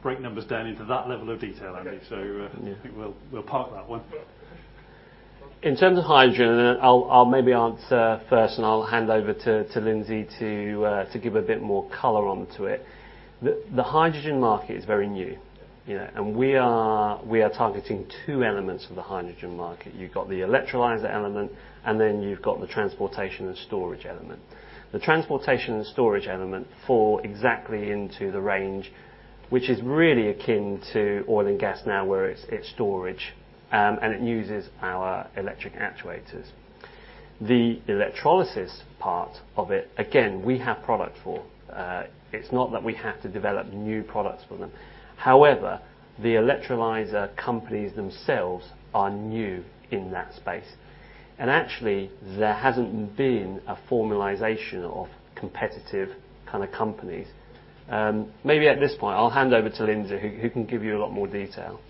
break numbers down into that level of detail, Andy.
Okay.
So, uh-
Yeah.
I think we'll park that one.
Okay. In terms of hydrogen, I'll maybe answer first and I'll hand over to Lyndsey to give a bit more color onto it. The hydrogen market is very new, you know, and we are targeting two elements of the hydrogen market. You've got the electrolyzer element, and then you've got the transportation and storage element. The transportation and storage element fall exactly into the range, which is really akin to oil and gas now, where it's storage, and it uses our electric actuators. The electrolysis part of it, again, we have product for, it's not that we have to develop new products for them. However, the electrolyzer companies themselves are new in that space, and actually, there hasn't been a formalization of competitive kind of companies. Maybe at this point I'll hand over to Lyndsey, who can give you a lot more detail.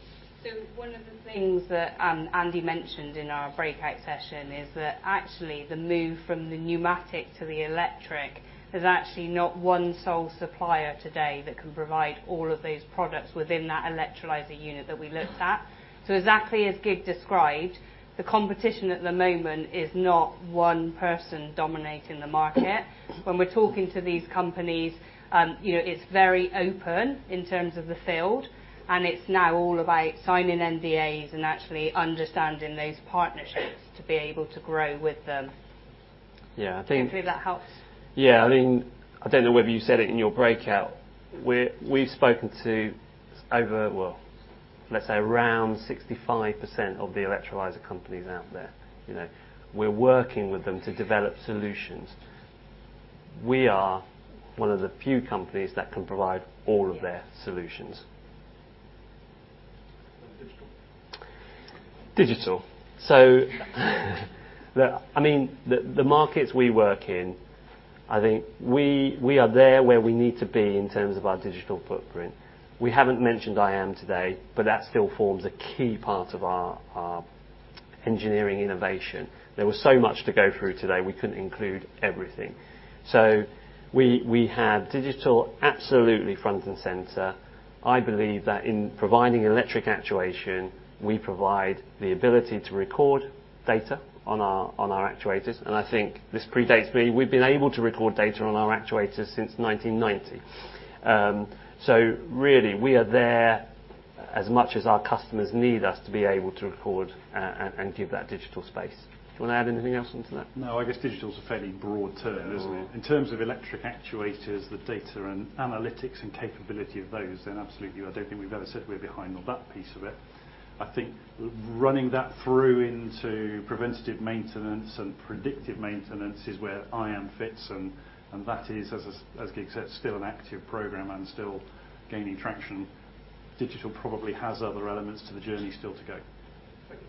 One of the things that Andy mentioned in our breakout session is that actually the move from the pneumatic to the electric, there's actually not one sole supplier today that can provide all of those products within that electrolyzer unit that we looked at. Exactly as Kiet described, the competition at the moment is not one person dominating the market. When we're talking to these companies, you know, it's very open in terms of the field, and it's now all about signing NDAs and actually understanding those partnerships to be able to grow with them.
Yeah, I think.
Hopefully that helps.
Yeah. I mean, I don't know whether you said it in your breakout. We've spoken to over, well, let's say around 65% of the electrolyzer companies out there, you know. We're working with them to develop solutions. We are one of the few companies that can provide all of their solutions. Digital? Digital. The markets we work in, I think we are there where we need to be in terms of our digital footprint. We haven't mentioned IM today, but that still forms a key part of our engineering innovation. There was so much to go through today, we couldn't include everything. We have digital absolutely front and center. I believe that in providing electric actuation, we provide the ability to record data on our actuators, and I think this predates me. We've been able to record data on our actuators since 1990. Really we are there as much as our customers need us to be able to record and give that digital space. Do you wanna add anything else onto that?
No, I guess digital's a fairly broad term, isn't it?
Mm-hmm.
In terms of electric actuators, the data and analytics and capability of those, then absolutely, I don't think we've ever said we're behind on that piece of it. I think running that through into preventative maintenance and predictive maintenance is where IAM fits and that is, as Kiet said, still an active program and still gaining traction. Digital probably has other elements to the journey still to go.
Thank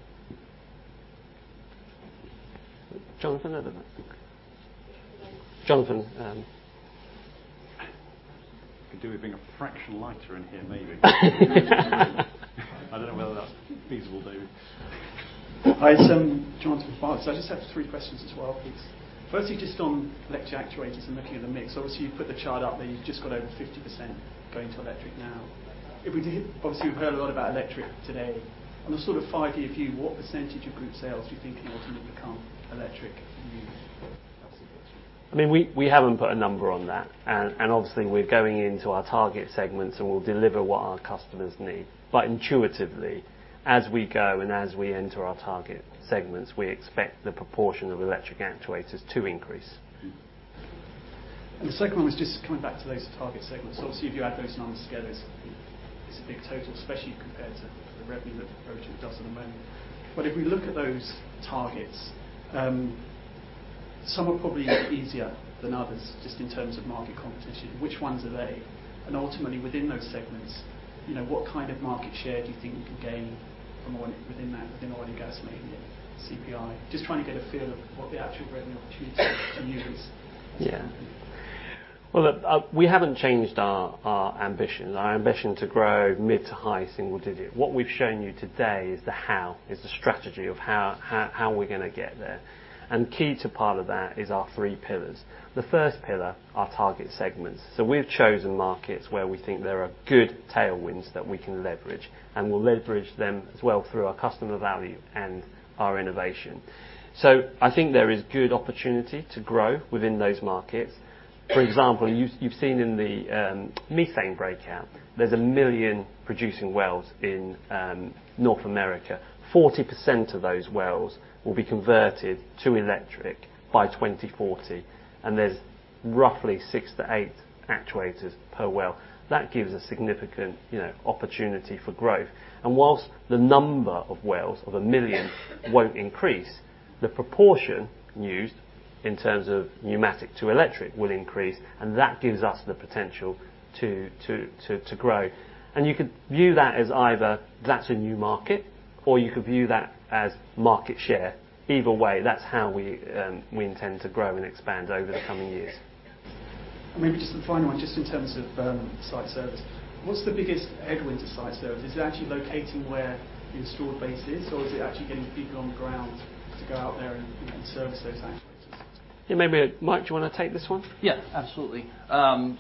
you. Jonathan, at the back. Jonathan.
Could do with being a fraction lighter in here maybe. I don't know whether that's feasible though.
Hi, it's Jonathan Boros. I just have three questions as well, please. Firstly, just on electric actuators and looking at the mix, obviously you've put the chart up that you've just got over 50% going to electric now. Obviously, we've heard a lot about electric today. On a sort of five-year view, what percentage of group sales do you think can ultimately become electric and used? That's the first one.
I mean, we haven't put a number on that and obviously we're going into our target segments, and we'll deliver what our customers need. Intuitively, as we go and as we enter our target segments, we expect the proportion of electric actuators to increase.
The second one was just coming back to those target segments. Obviously, if you add those numbers together, it's a big total, especially compared to the revenue that the group does at the moment. But if we look at those targets, some are probably easier than others just in terms of market competition. Which ones are they? Ultimately, within those segments, you know, what kind of market share do you think you can gain from oil and gas, maybe CPI? Just trying to get a feel of what the actual revenue opportunity to use as a company.
Yeah. Well, look, we haven't changed our ambition. Our ambition to grow mid to high-single-digit. What we've shown you today is the how, is the strategy of how we're gonna get there, and a key part of that is our three pillars. The first pillar, our target segments. We've chosen markets where we think there are good tailwinds that we can leverage, and we'll leverage them as well through our customer value and our innovation. I think there is good opportunity to grow within those markets. For example, you've seen in the methane breakout, there's 1 million producing wells in North America. 40% of those wells will be converted to electric by 2040, and there's roughly six to eight actuators per well. That gives a significant, you know, opportunity for growth, and while the number of wells of 1 million won't increase, the proportion used in terms of pneumatic to electric will increase, and that gives us the potential to grow. You could view that as either that's a new market or you could view that as market share. Either way, that's how we intend to grow and expand over the coming years.
Maybe just the final one, just in terms of site service. What's the biggest headwind to site service? Is it actually locating where the installed base is, or is it actually getting people on the ground to go out there and service those actuators?
Yeah, maybe Mike, do you wanna take this one?
Yeah. Absolutely. I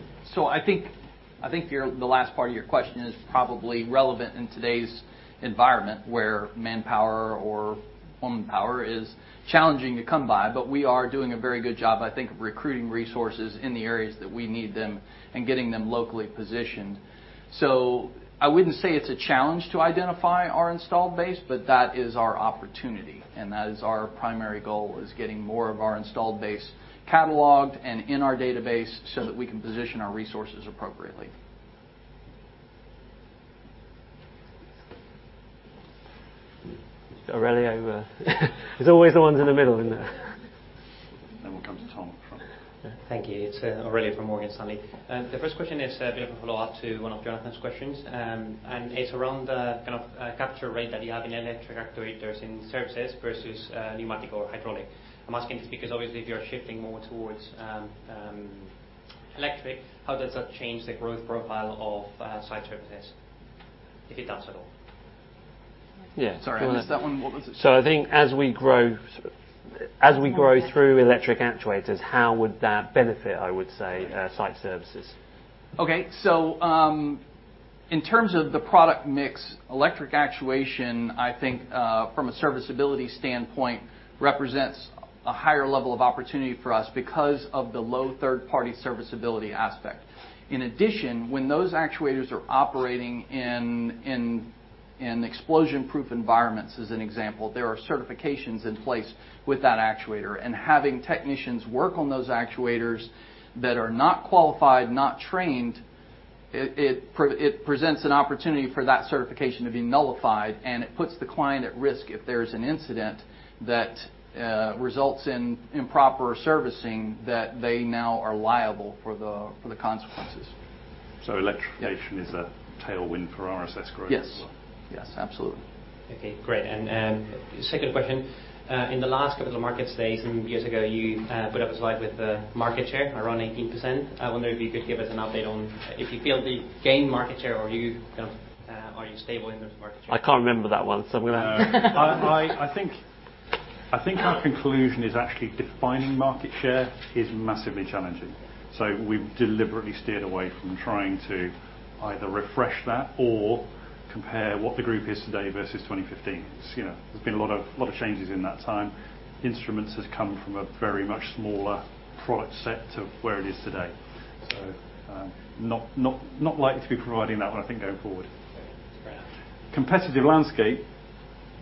think the last part of your question is probably relevant in today's environment, where manpower or womanpower is challenging to come by. We are doing a very good job, I think, of recruiting resources in the areas that we need them and getting them locally positioned. I wouldn't say it's a challenge to identify our installed base, but that is our opportunity and that is our primary goal, is getting more of our installed base cataloged and in our database so that we can position our resources appropriately.
Aurelio, it's always the ones in the middle in there.
We'll come to Tom at the front.
Thank you. It's Aurelio from Morgan Stanley. The first question is a bit of a follow-up to one of Jonathan's questions. It's around the kind of capture rate that you have in electric actuators in services versus pneumatic or hydraulic. I'm asking this because obviously if you're shifting more towards electric, how does that change the growth profile of site services, if it does at all?
Yeah.
Sorry, I missed that one. What was it?
I think as we grow through electric actuators, how would that benefit, I would say, site services?
Okay. In terms of the product mix, electric actuation, I think, from a serviceability standpoint, represents a higher level of opportunity for us because of the low third-party serviceability aspect. In addition, when those actuators are operating in explosion-proof environments, as an example, there are certifications in place with that actuator. Having technicians work on those actuators that are not qualified, not trained, it presents an opportunity for that certification to be nullified, and it puts the client at risk if there's an incident that results in improper servicing that they now are liable for the, for the consequences.
Electrification.
Yeah.
is a tailwind for RSS growth.
Yes. Yes. Absolutely. Okay, great. Second question. In the last couple of market days and years ago, you put up a slide with the market share around 18%. I wonder if you could give us an update on if you feel that you've gained market share or you kind of are you stable in those markets?
I can't remember that one, so I'm gonna.
No. I think our conclusion is actually defining market share is massively challenging. We've deliberately steered away from trying to either refresh that or compare what the group is today versus 2015. You know, there's been a lot of changes in that time. Instruments has come from a very much smaller product set to where it is today. Not likely to be providing that one I think going forward.
Okay. Great.
Competitive landscape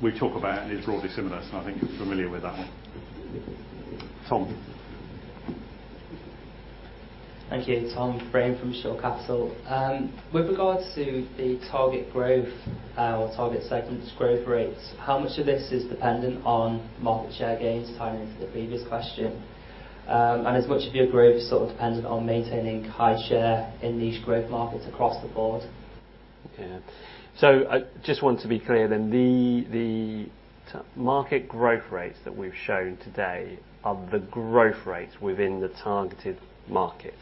we talk about is broadly similar, so I think you're familiar with that one. Tom.
Thank you. Tom Brame from Shore Capital. With regards to the target growth, or target segments growth rates, how much of this is dependent on market share gains, tying into the previous question? Is much of your growth sort of dependent on maintaining high share in niche growth markets across the board?
Yeah. I just want to be clear then. The targeted market growth rates that we've shown today are the growth rates within the targeted markets.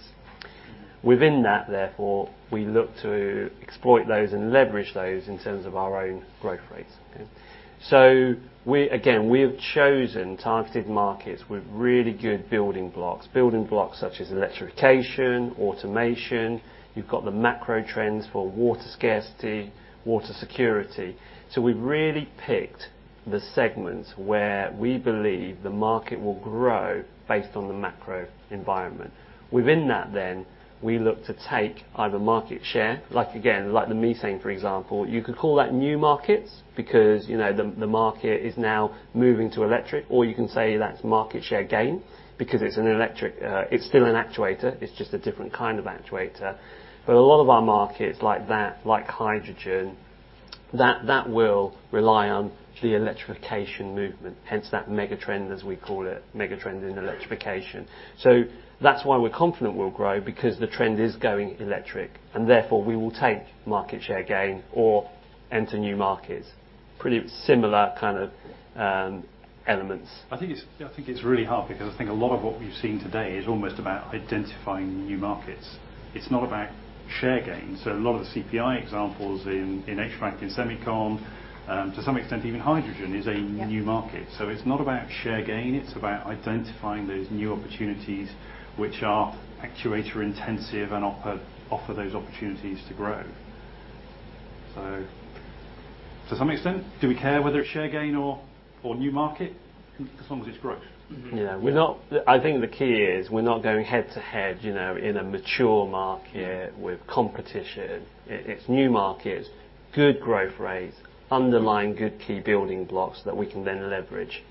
Mm-hmm.
Within that, therefore, we look to exploit those and leverage those in terms of our own growth rates. Okay? Again, we have chosen targeted markets with really good building blocks. Building blocks such as electrification, automation. You've got the macro trends for water scarcity, water security. We've really picked the segments where we believe the market will grow based on the macro environment. Within that then, we look to take either market share, like, again, like the methane, for example. You could call that new markets because, you know, the market is now moving to electric. You can say that's market share gain because it's an electric. It's still an actuator, it's just a different kind of actuator. A lot of our markets like that, like hydrogen, that will rely on the electrification movement, hence that megatrend, as we call it, megatrend in electrification. That's why we're confident we'll grow, because the trend is going electric, and therefore we will take market share gain or enter new markets. Pretty similar kind of elements.
I think it's really hard because I think a lot of what we've seen today is almost about identifying new markets. It's not about share gain. A lot of the CPI examples in extract and semicon, to some extent even hydrogen is a new market.
Yeah.
It's not about share gain, it's about identifying those new opportunities which are actuator intensive and offer those opportunities to grow. To some extent, do we care whether it's share gain or new market? As long as it's growth.
Yeah. I think the key is we're not going head to head, you know, in a mature market with competition. It's new markets, good growth rates, underlying good key building blocks that we can then leverage.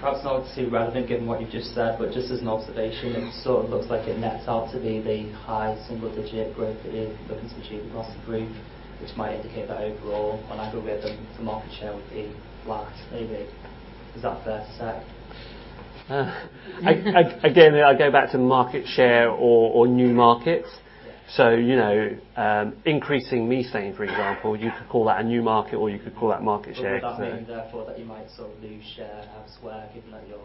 Perhaps not obviously relevant given what you've just said, but just as an observation, it sort of looks like it nets out to be the high single digit growth that you're looking to achieve across the group, which might indicate that overall on aggregate the market share would be flat, maybe. Is that fair to say?
Again, I go back to market share or new markets. You know, increasing methane, for example, you could call that a new market or you could call that market share.
Would that mean therefore that you might sort of lose share elsewhere, given that your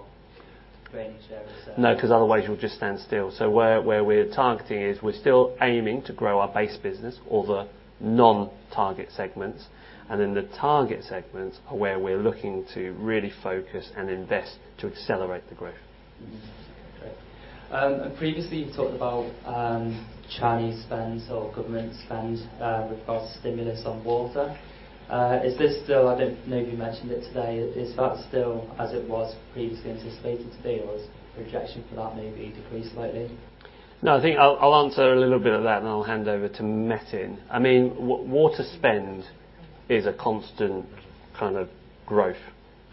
range there is?
No, 'cause otherwise you'll just stand still. Where we're targeting is we're still aiming to grow our base business or the non-target segments, and then the target segments are where we're looking to really focus and invest to accelerate the growth.
Okay. Previously you talked about Chinese spending or government spending across stimulus on water. Is this still? I don't know if you mentioned it today. Is that still as it was previously anticipated to be, or has the projection for that maybe decreased slightly?
No, I think I'll answer a little bit of that and then I'll hand over to Metin. I mean, water spend is a constant kind of growth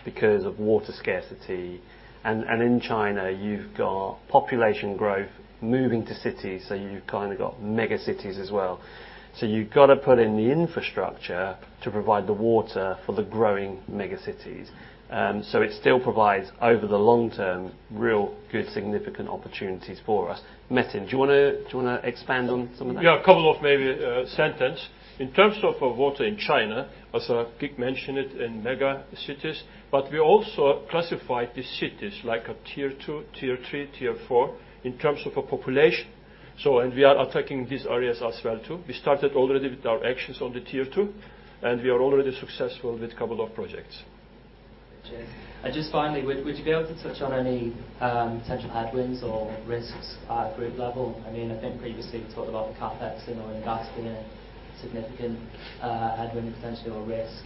because of water scarcity. In China you've got population growth moving to cities, so you've kind of got mega cities as well. You've got to put in the infrastructure to provide the water for the growing mega cities. It still provides over the long term real good significant opportunities for us. Metin, do you wanna expand on some of that?
A couple of maybe sentence. In terms of our water in China, as Pete mentioned it, in megacities, but we also classified the cities like Tier 2, Tier 3, Tier 4 in terms of population. We are attacking these areas as well too. We started already with our actions on the Tier 2, and we are already successful with couple of projects.
Okay. Just finally, would you be able to touch on any potential headwinds or risks at group level? I mean, I think previously you talked about the CapEx and organic as a significant other potential risk,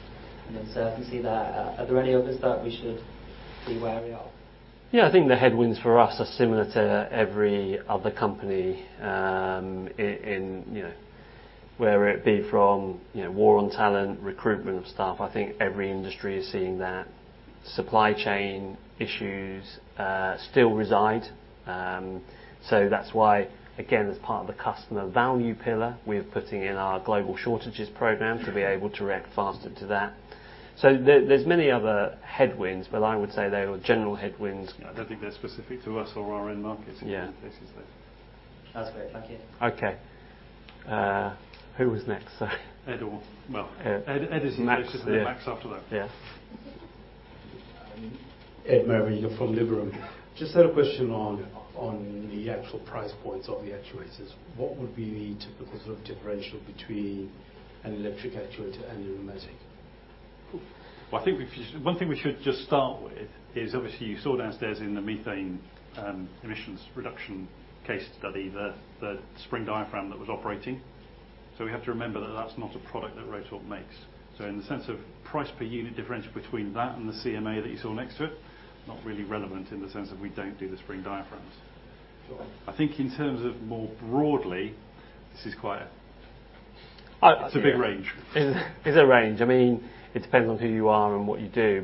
and so I can see that. Are there any others that we should be wary of?
Yeah, I think the headwinds for us are similar to every other company in you know whether it be from you know war on talent, recruitment of staff. I think every industry is seeing that. Supply chain issues still reside. So that's why, again, as part of the customer value pillar, we're putting in our global shortages program to be able to react faster to that. There are many other headwinds, but I would say they're general headwinds.
I don't think they're specific to us or our end markets in most cases.
Yeah.
That's great. Thank you.
Okay. Who was next? Sorry.
Ed or...
Ed.
Well, Ed is next.
Max, yeah.
There's Max after that.
Yeah.
Ed Meredith from Liberum. Just had a question on the actual price points of the actuators. What would be the typical sort of differential between an electric actuator and a pneumatic?
Well, I think one thing we should just start with is obviously you saw downstairs in the methane emissions reduction case study the spring diaphragm that was operating. So we have to remember that that's not a product that Rotork makes. So in the sense of price per unit differential between that and the CMA that you saw next to it, not really relevant in the sense of we don't do the spring diaphragms.
Sure.
I think in terms of more broadly, this is quite. It's a big range.
It's a range. I mean, it depends on who you are and what you do.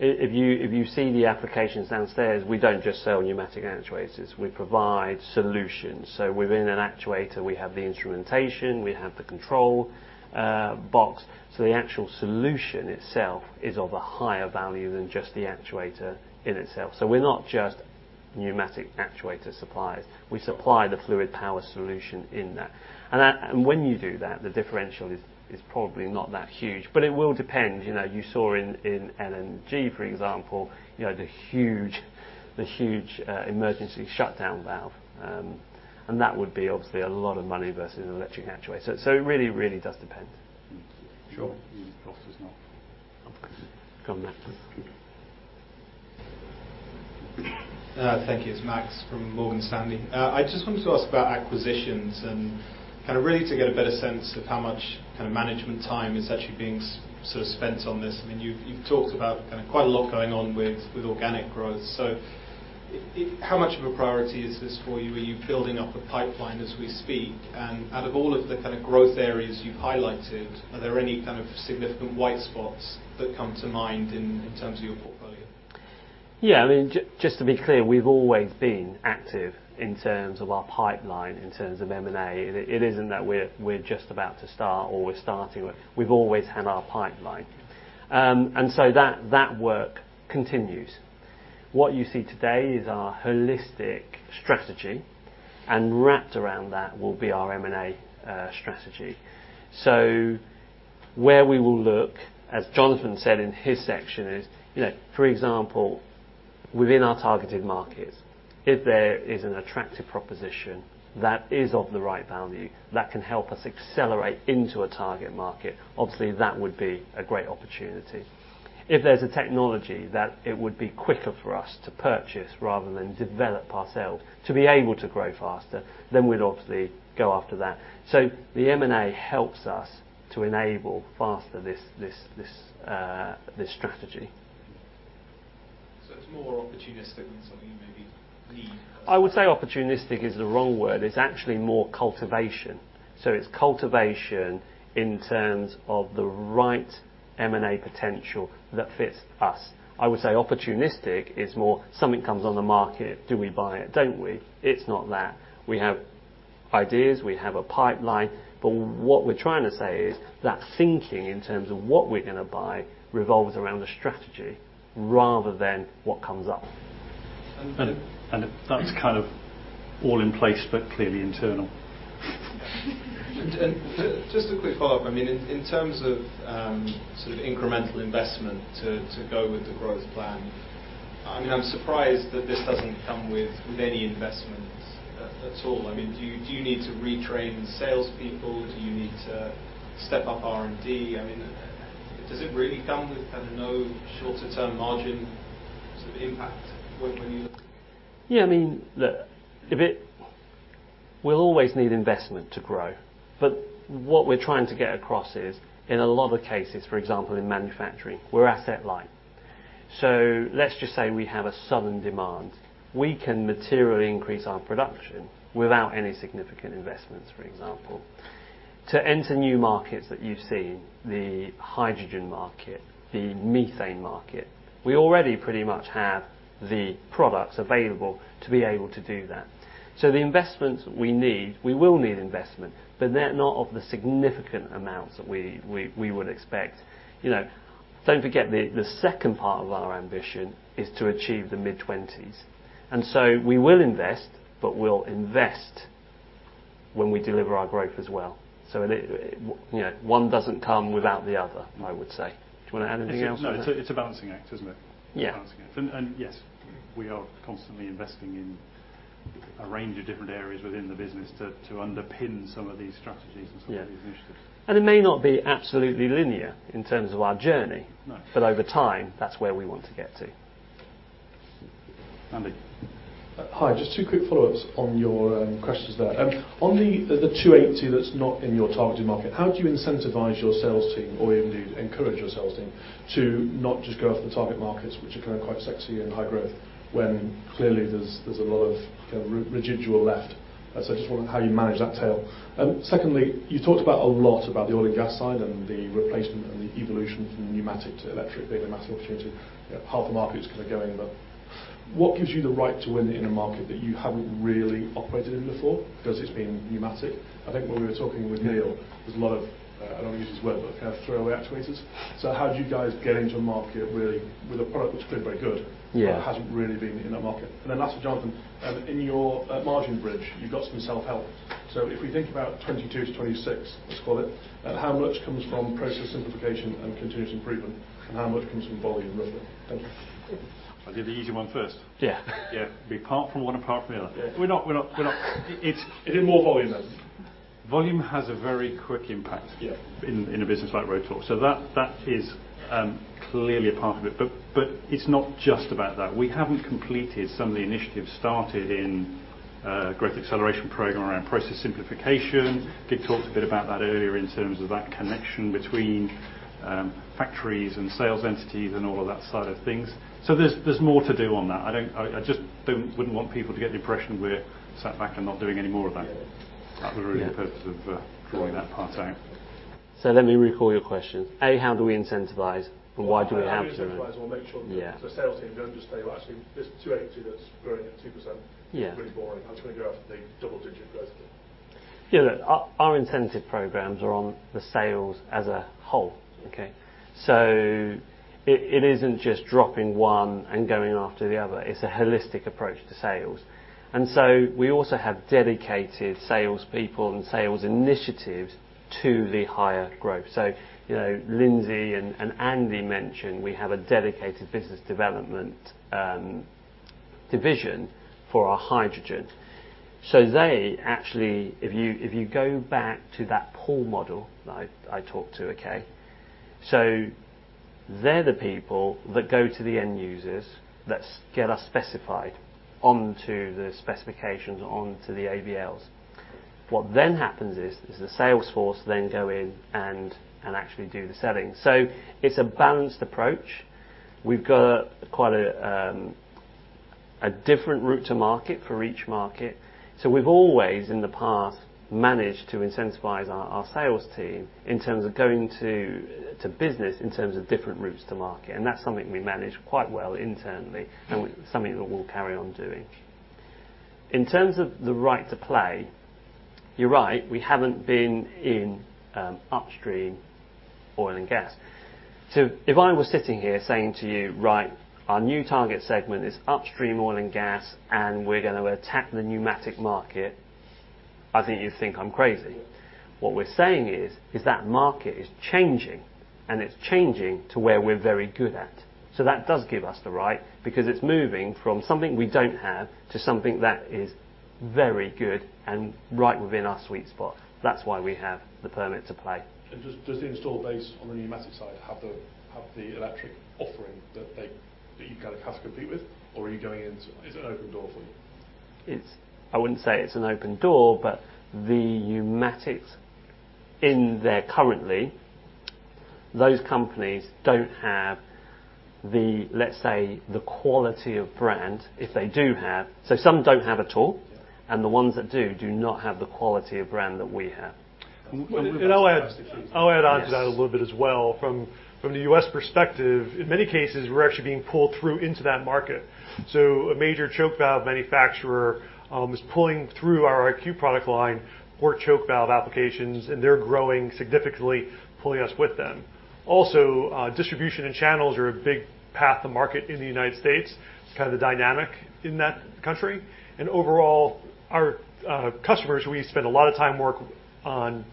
If you see the applications downstairs, we don't just sell pneumatic actuators, we provide solutions. Within an actuator we have the instrumentation, we have the control box. The actual solution itself is of a higher value than just the actuator in itself. We're not just pneumatic actuator suppliers. We supply the fluid power solution in that. That. When you do that, the differential is probably not that huge, but it will depend. You know, you saw in LNG, for example, you know, the huge emergency shutdown valve. And that would be obviously a lot of money versus an electric actuator. It really does depend.
Sure.
Max is now.
Of course. Go on, Max.
Thank you. It's Max from Morgan Stanley. I just wanted to ask about acquisitions and kind of really to get a better sense of how much kind of management time is actually being sort of spent on this. I mean, you've talked about kind of quite a lot going on with organic growth. How much of a priority is this for you? Are you building up a pipeline as we speak? Out of all of the kind of growth areas you've highlighted, are there any kind of significant white spaces that come to mind in terms of your portfolio?
Yeah, I mean, just to be clear, we've always been active in terms of our pipeline, in terms of M&A. It isn't that we're just about to start or we're starting with. We've always had our pipeline. That work continues. What you see today is our holistic strategy, and wrapped around that will be our M&A strategy. Where we will look, as Jonathan said in his section, is, you know, for example, within our targeted markets, if there is an attractive proposition that is of the right value that can help us accelerate into a target market, obviously that would be a great opportunity. If there's a technology that it would be quicker for us to purchase rather than develop ourselves to be able to grow faster, then we'd obviously go after that. The M&A helps us to enable faster this strategy.
It's more opportunistic than something you maybe need.
I would say opportunistic is the wrong word. It's actually more cultivation. It's cultivation in terms of the right M&A potential that fits us. I would say opportunistic is more something comes on the market, do we buy it, don't we? It's not that. We have ideas, we have a pipeline, but what we're trying to say is that thinking in terms of what we're gonna buy revolves around the strategy rather than what comes up.
That's kind of all in place, but clearly internal.
Just a quick follow-up. I mean, in terms of sort of incremental investment to go with the growth plan, I mean, I'm surprised that this doesn't come with any investments at all. I mean, do you need to retrain salespeople? Do you need to step up R&D? I mean, does it really come with kind of no shorter term margin sort of impact when you-
Yeah, I mean, look, we'll always need investment to grow. What we're trying to get across is, in a lot of cases, for example, in manufacturing, we're asset light. Let's just say we have a sudden demand. We can materially increase our production without any significant investments, for example. To enter new markets that you've seen, the hydrogen market, the methane market, we already pretty much have the products available to be able to do that. The investments we need, we will need investment, but they're not of the significant amounts that we would expect. You know, don't forget the second part of our ambition is to achieve the mid-20s, and so we will invest, but we'll invest when we deliver our growth as well. It. You know, one doesn't come without the other.
Mm-hmm
I would say. Do you wanna add anything else?
It's a balancing act, isn't it?
Yeah.
Balancing act. Yes, we are constantly investing in a range of different areas within the business to underpin some of these strategies and some of these initiatives.
Yeah. It may not be absolutely linear in terms of our journey.
No.
Over time, that's where we want to get to.
Andy.
Hi. Just two quick follow-ups on your questions there. On the 280 that's not in your targeted market, how do you incentivize your sales team or indeed encourage your sales team to not just go after the target markets, which are kind of quite sexy and high growth, when clearly there's a lot of residual left? I just wonder how you manage that tail. Secondly, you talked a lot about the oil and gas side and the replacement and the evolution from pneumatic to electric being a massive opportunity. You know, half the market's kind of going, but what gives you the right to win in a market that you haven't really operated in before because it's been pneumatic? I think when we were talking with Neil, there's a lot of, I don't want to use his word, but kind of throwaway actuators. So how do you guys get into a market really with a product that's clearly very good.
Yeah
Hasn't really been in that market? Last to Jonathan, in your margin bridge, you've got some self-help. If we think about 2022-2026, let's call it, how much comes from process simplification and continuous improvement, and how much comes from volume roughly? Thank you.
I'll do the easy one first.
Yeah.
Yeah. Be apart from one, apart from the other.
Yeah.
We're not. It's...
Is it more volume, then?
Volume has a very quick impact.
Yeah
In a business like Rotork, that is clearly a part of it, but it's not just about that. We haven't completed some of the initiatives started in growth acceleration program around process simplification. Kiet talked a bit about that earlier in terms of that connection between factories and sales entities and all of that side of things. There's more to do on that. I just wouldn't want people to get the impression we're sat back and not doing any more of that.
Yeah.
That was really the purpose of drawing that part out.
Let me recall your questions. A, how do we incentivize, and why do we have to?
How do we incentivize or make sure that?
Yeah.
The sales team don't just say, "Well, actually there's 280 that's growing at 2%.
Yeah.
It's really boring. I just wanna go after the double-digit growth.
Yeah, look, our incentive programs are on the sales as a whole, okay? It isn't just dropping one and going after the other. It's a holistic approach to sales, and we also have dedicated sales people and sales initiatives to the higher growth. You know, Lyndsey and Andy mentioned we have a dedicated business development division for our hydrogen. They actually. If you go back to that pull model that I talked to, okay? They're the people that go to the end users that get us specified onto the specifications, onto the AVLs. What then happens is the sales force then go in and actually do the selling. It's a balanced approach. We've got quite a different route to market for each market. We've always, in the past, managed to incentivize our sales team in terms of going to business in terms of different routes to market, and that's something we manage quite well internally and something that we'll carry on doing. In terms of the right to play, you're right, we haven't been in upstream oil and gas. If I was sitting here saying to you, "Right, our new target segment is upstream oil and gas, and we're gonna attack the pneumatic market," I think you'd think I'm crazy. What we're saying is that market is changing, and it's changing to where we're very good at. That does give us the right because it's moving from something we don't have to something that is very good and right within our sweet spot. That's why we have the permit to play.
Does the install base on the pneumatic side have the electric offering that you kind of have to compete with? Is it an open door for you?
I wouldn't say it's an open door, but the pneumatics in there currently, those companies don't have the, let's say, the quality of brand. If they do have, some don't have at all, and the ones that do not have the quality of brand that we have.
I'll add onto that a little bit as well. From the U.S. perspective, in many cases, we're actually being pulled through into that market. A major choke valve manufacturer is pulling through our IQ product line for choke valve applications, and they're growing significantly, pulling us with them. Also, distribution and channels are a big path to market in the United States. It's kind of the dynamic in that country. Overall, our customers we spend a lot of time working on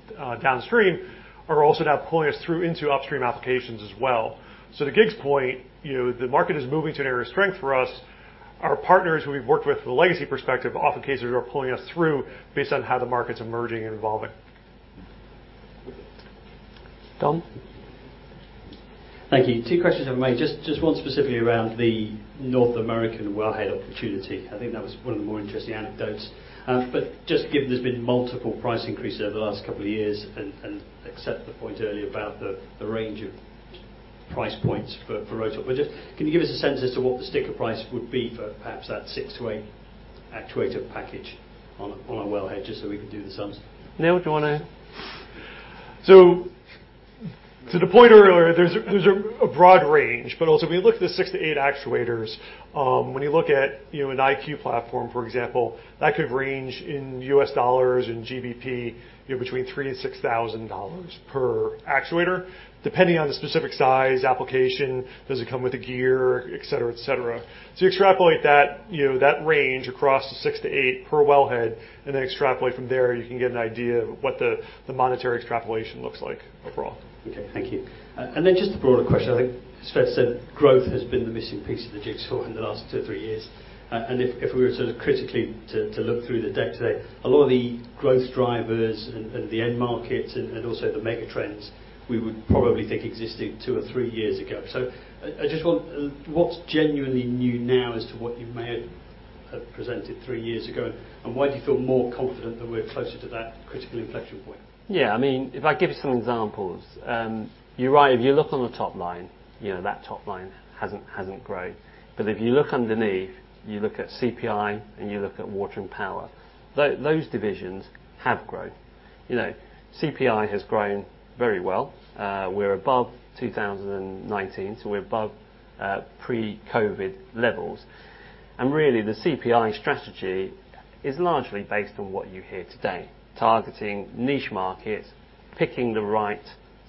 downstream are also now pulling us through into upstream applications as well. To Kiet's point, you know, the market is moving to an area of strength for us. Our partners who we've worked with from a legacy perspective, in many cases are pulling us through based on how the market's emerging and evolving.
Tom?
Thank you. Two questions I've made, just one specifically around the North American well head opportunity. I think that was one of the more interesting anecdotes. Just given there's been multiple price increases over the last couple of years and accept the point earlier about the range of price points for Rotork. Just can you give us a sense as to what the sticker price would be for perhaps that six to eight actuator package on a wellhead just so we can do the sums?
Neil, do you wanna?
To the point earlier, there's a broad range, but also when you look at the six to eight actuators, when you look at, you know, an IQ platform, for example, that could range in U.S. dollars, in GBP, you know, between $3,000-$6,000 per actuator, depending on the specific size, application, does it come with a gear, et cetera, et cetera. You extrapolate that, you know, that range across six to eight per wellhead, and then extrapolate from there, you can get an idea of what the monetary extrapolation looks like overall.
Okay. Thank you. Just a broader question. I think Kiet said growth has been the missing piece of the jigsaw in the last two to three years. If we were to critically look through the deck today, a lot of the growth drivers and the end markets and also the mega trends, we would probably think existed two to three years ago. I just want. What's genuinely new now as to what you may have presented three years ago, and why do you feel more confident that we're closer to that critical inflection point?
Yeah. I mean, if I give you some examples, you're right. If you look on the top line, you know, that top line hasn't grown. If you look underneath, you look at CPI, and you look at Water & Power, those divisions have grown. You know, CPI has grown very well. We're above 2019, so we're above pre-COVID levels. Really, the CPI strategy is largely based on what you hear today, targeting niche markets, picking the right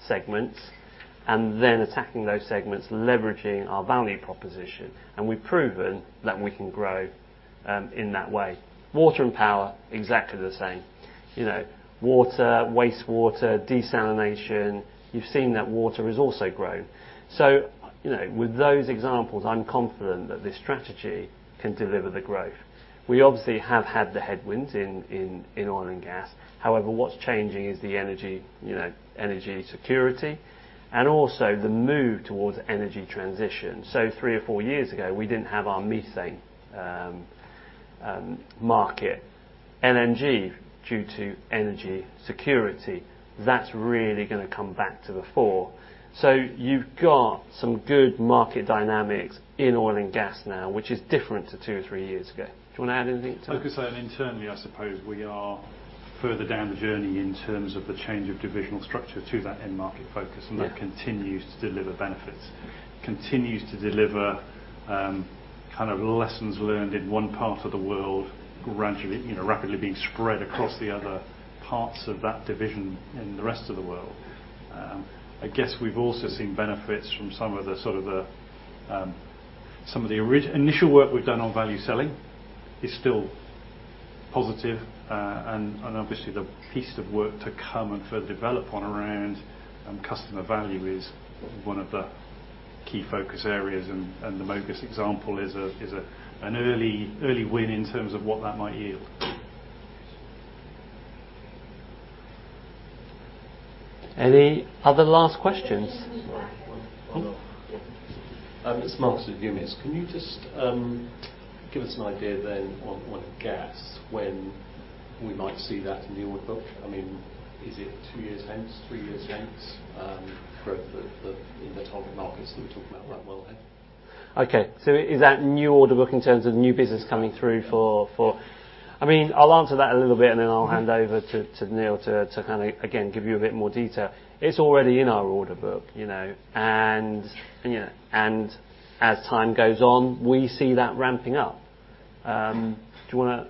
segments, and then attacking those segments, leveraging our value proposition. We've proven that we can grow in that way. Water & Power, exactly the same. You know, water, wastewater, desalination, you've seen that water has also grown. You know, with those examples, I'm confident that this strategy can deliver the growth. We obviously have had the headwinds in Oil & Gas. However, what's changing is the energy, you know, energy security, and also the move towards energy transition. Three or four years ago, we didn't have our methane market. LNG, due to energy security, that's really gonna come back to the fore. You've got some good market dynamics in oil and gas now, which is different to two or three years ago. Do you wanna add anything to that?
I could say internally, I suppose we are further down the journey in terms of the change of divisional structure to that end market focus.
Yeah.
That continues to deliver benefits, kind of lessons learned in one part of the world gradually, you know, rapidly being spread across the other parts of that division in the rest of the world. I guess we've also seen benefits from some of the initial work we've done on value selling is still positive, and obviously the piece of work to come and further develop on around customer value is one of the key focus areas, and the Mogas example is an early win in terms of what that might yield.
Any other last questions?
It's Mark at Loomis Sayles. Can you just give us an idea then on gas when we might see that new book? I mean, is it two years hence, three years hence, growth of the target markets that we're talking about around wellhead?
Okay. Is that new order book in terms of new business coming through for? I mean, I'll answer that a little bit, and then I'll hand over to Neil to kinda again, give you a bit more detail. It's already in our order book, you know. You know, as time goes on, we see that ramping up. Do you wanna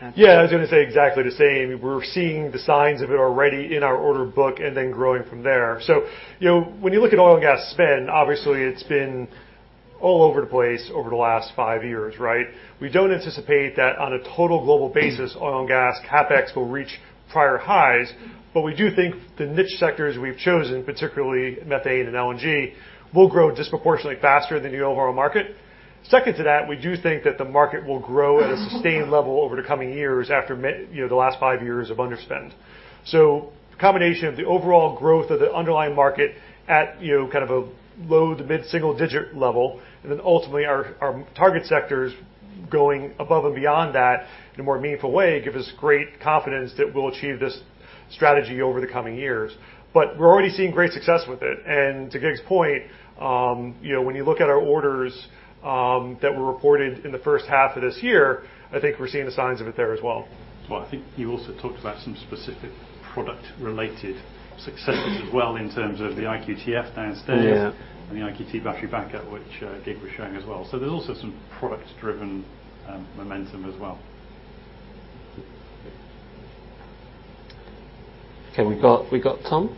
answer?
Yeah, I was gonna say exactly the same. We're seeing the signs of it already in our order book and then growing from there. You know, when you look at oil and gas spend, obviously it's been all over the place over the last five years, right? We don't anticipate that on a total global basis, Oil & Gas CapEx will reach prior highs, but we do think the niche sectors we've chosen, particularly methane and LNG, will grow disproportionately faster than the overall market. Second to that, we do think that the market will grow at a sustained level over the coming years you know, the last five years of underspend. Combination of the overall growth of the underlying market at, you know, kind of a low to mid-single-digit level, and then ultimately our target sectors going above and beyond that in a more meaningful way, give us great confidence that we'll achieve this strategy over the coming years. We're already seeing great success with it. To Kiet's point, you know, when you look at our orders that were reported in the first half of this year, I think we're seeing the signs of it there as well.
Well, I think you also talked about some specific product-related successes as well in terms of the IQTF downstairs.
Yeah
The IQT battery backup, which [Gig] was showing as well. There's also some product-driven momentum as well.
Okay. We've got Tom.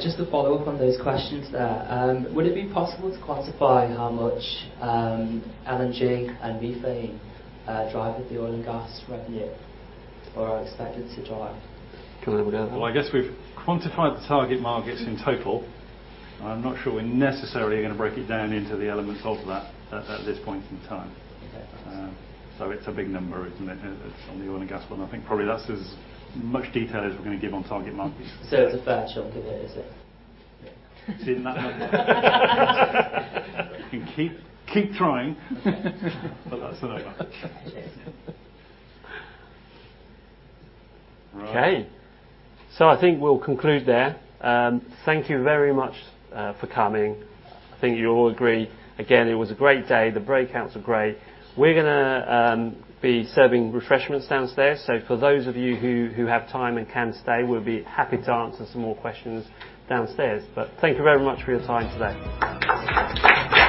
Just to follow up on those questions there, would it be possible to quantify how much LNG and methane drive the Oil & Gas revenue or are expected to drive?
Can I hand over that one?
Well, I guess we've quantified the target markets in total. I'm not sure we're necessarily gonna break it down into the elements of that at this point in time.
Okay.
It's a big number, isn't it? It's on the oil and gas one. I think probably that's as much detail as we're gonna give on target markets.
It's a fair chunk of it, is it?
See, you can keep trying, but that's an over.
Cheers.
Okay. I think we'll conclude there. Thank you very much for coming. I think you'll all agree again, it was a great day. The breakouts were great. We're gonna be serving refreshments downstairs. For those of you who have time and can stay, we'll be happy to answer some more questions downstairs. Thank you very much for your time today.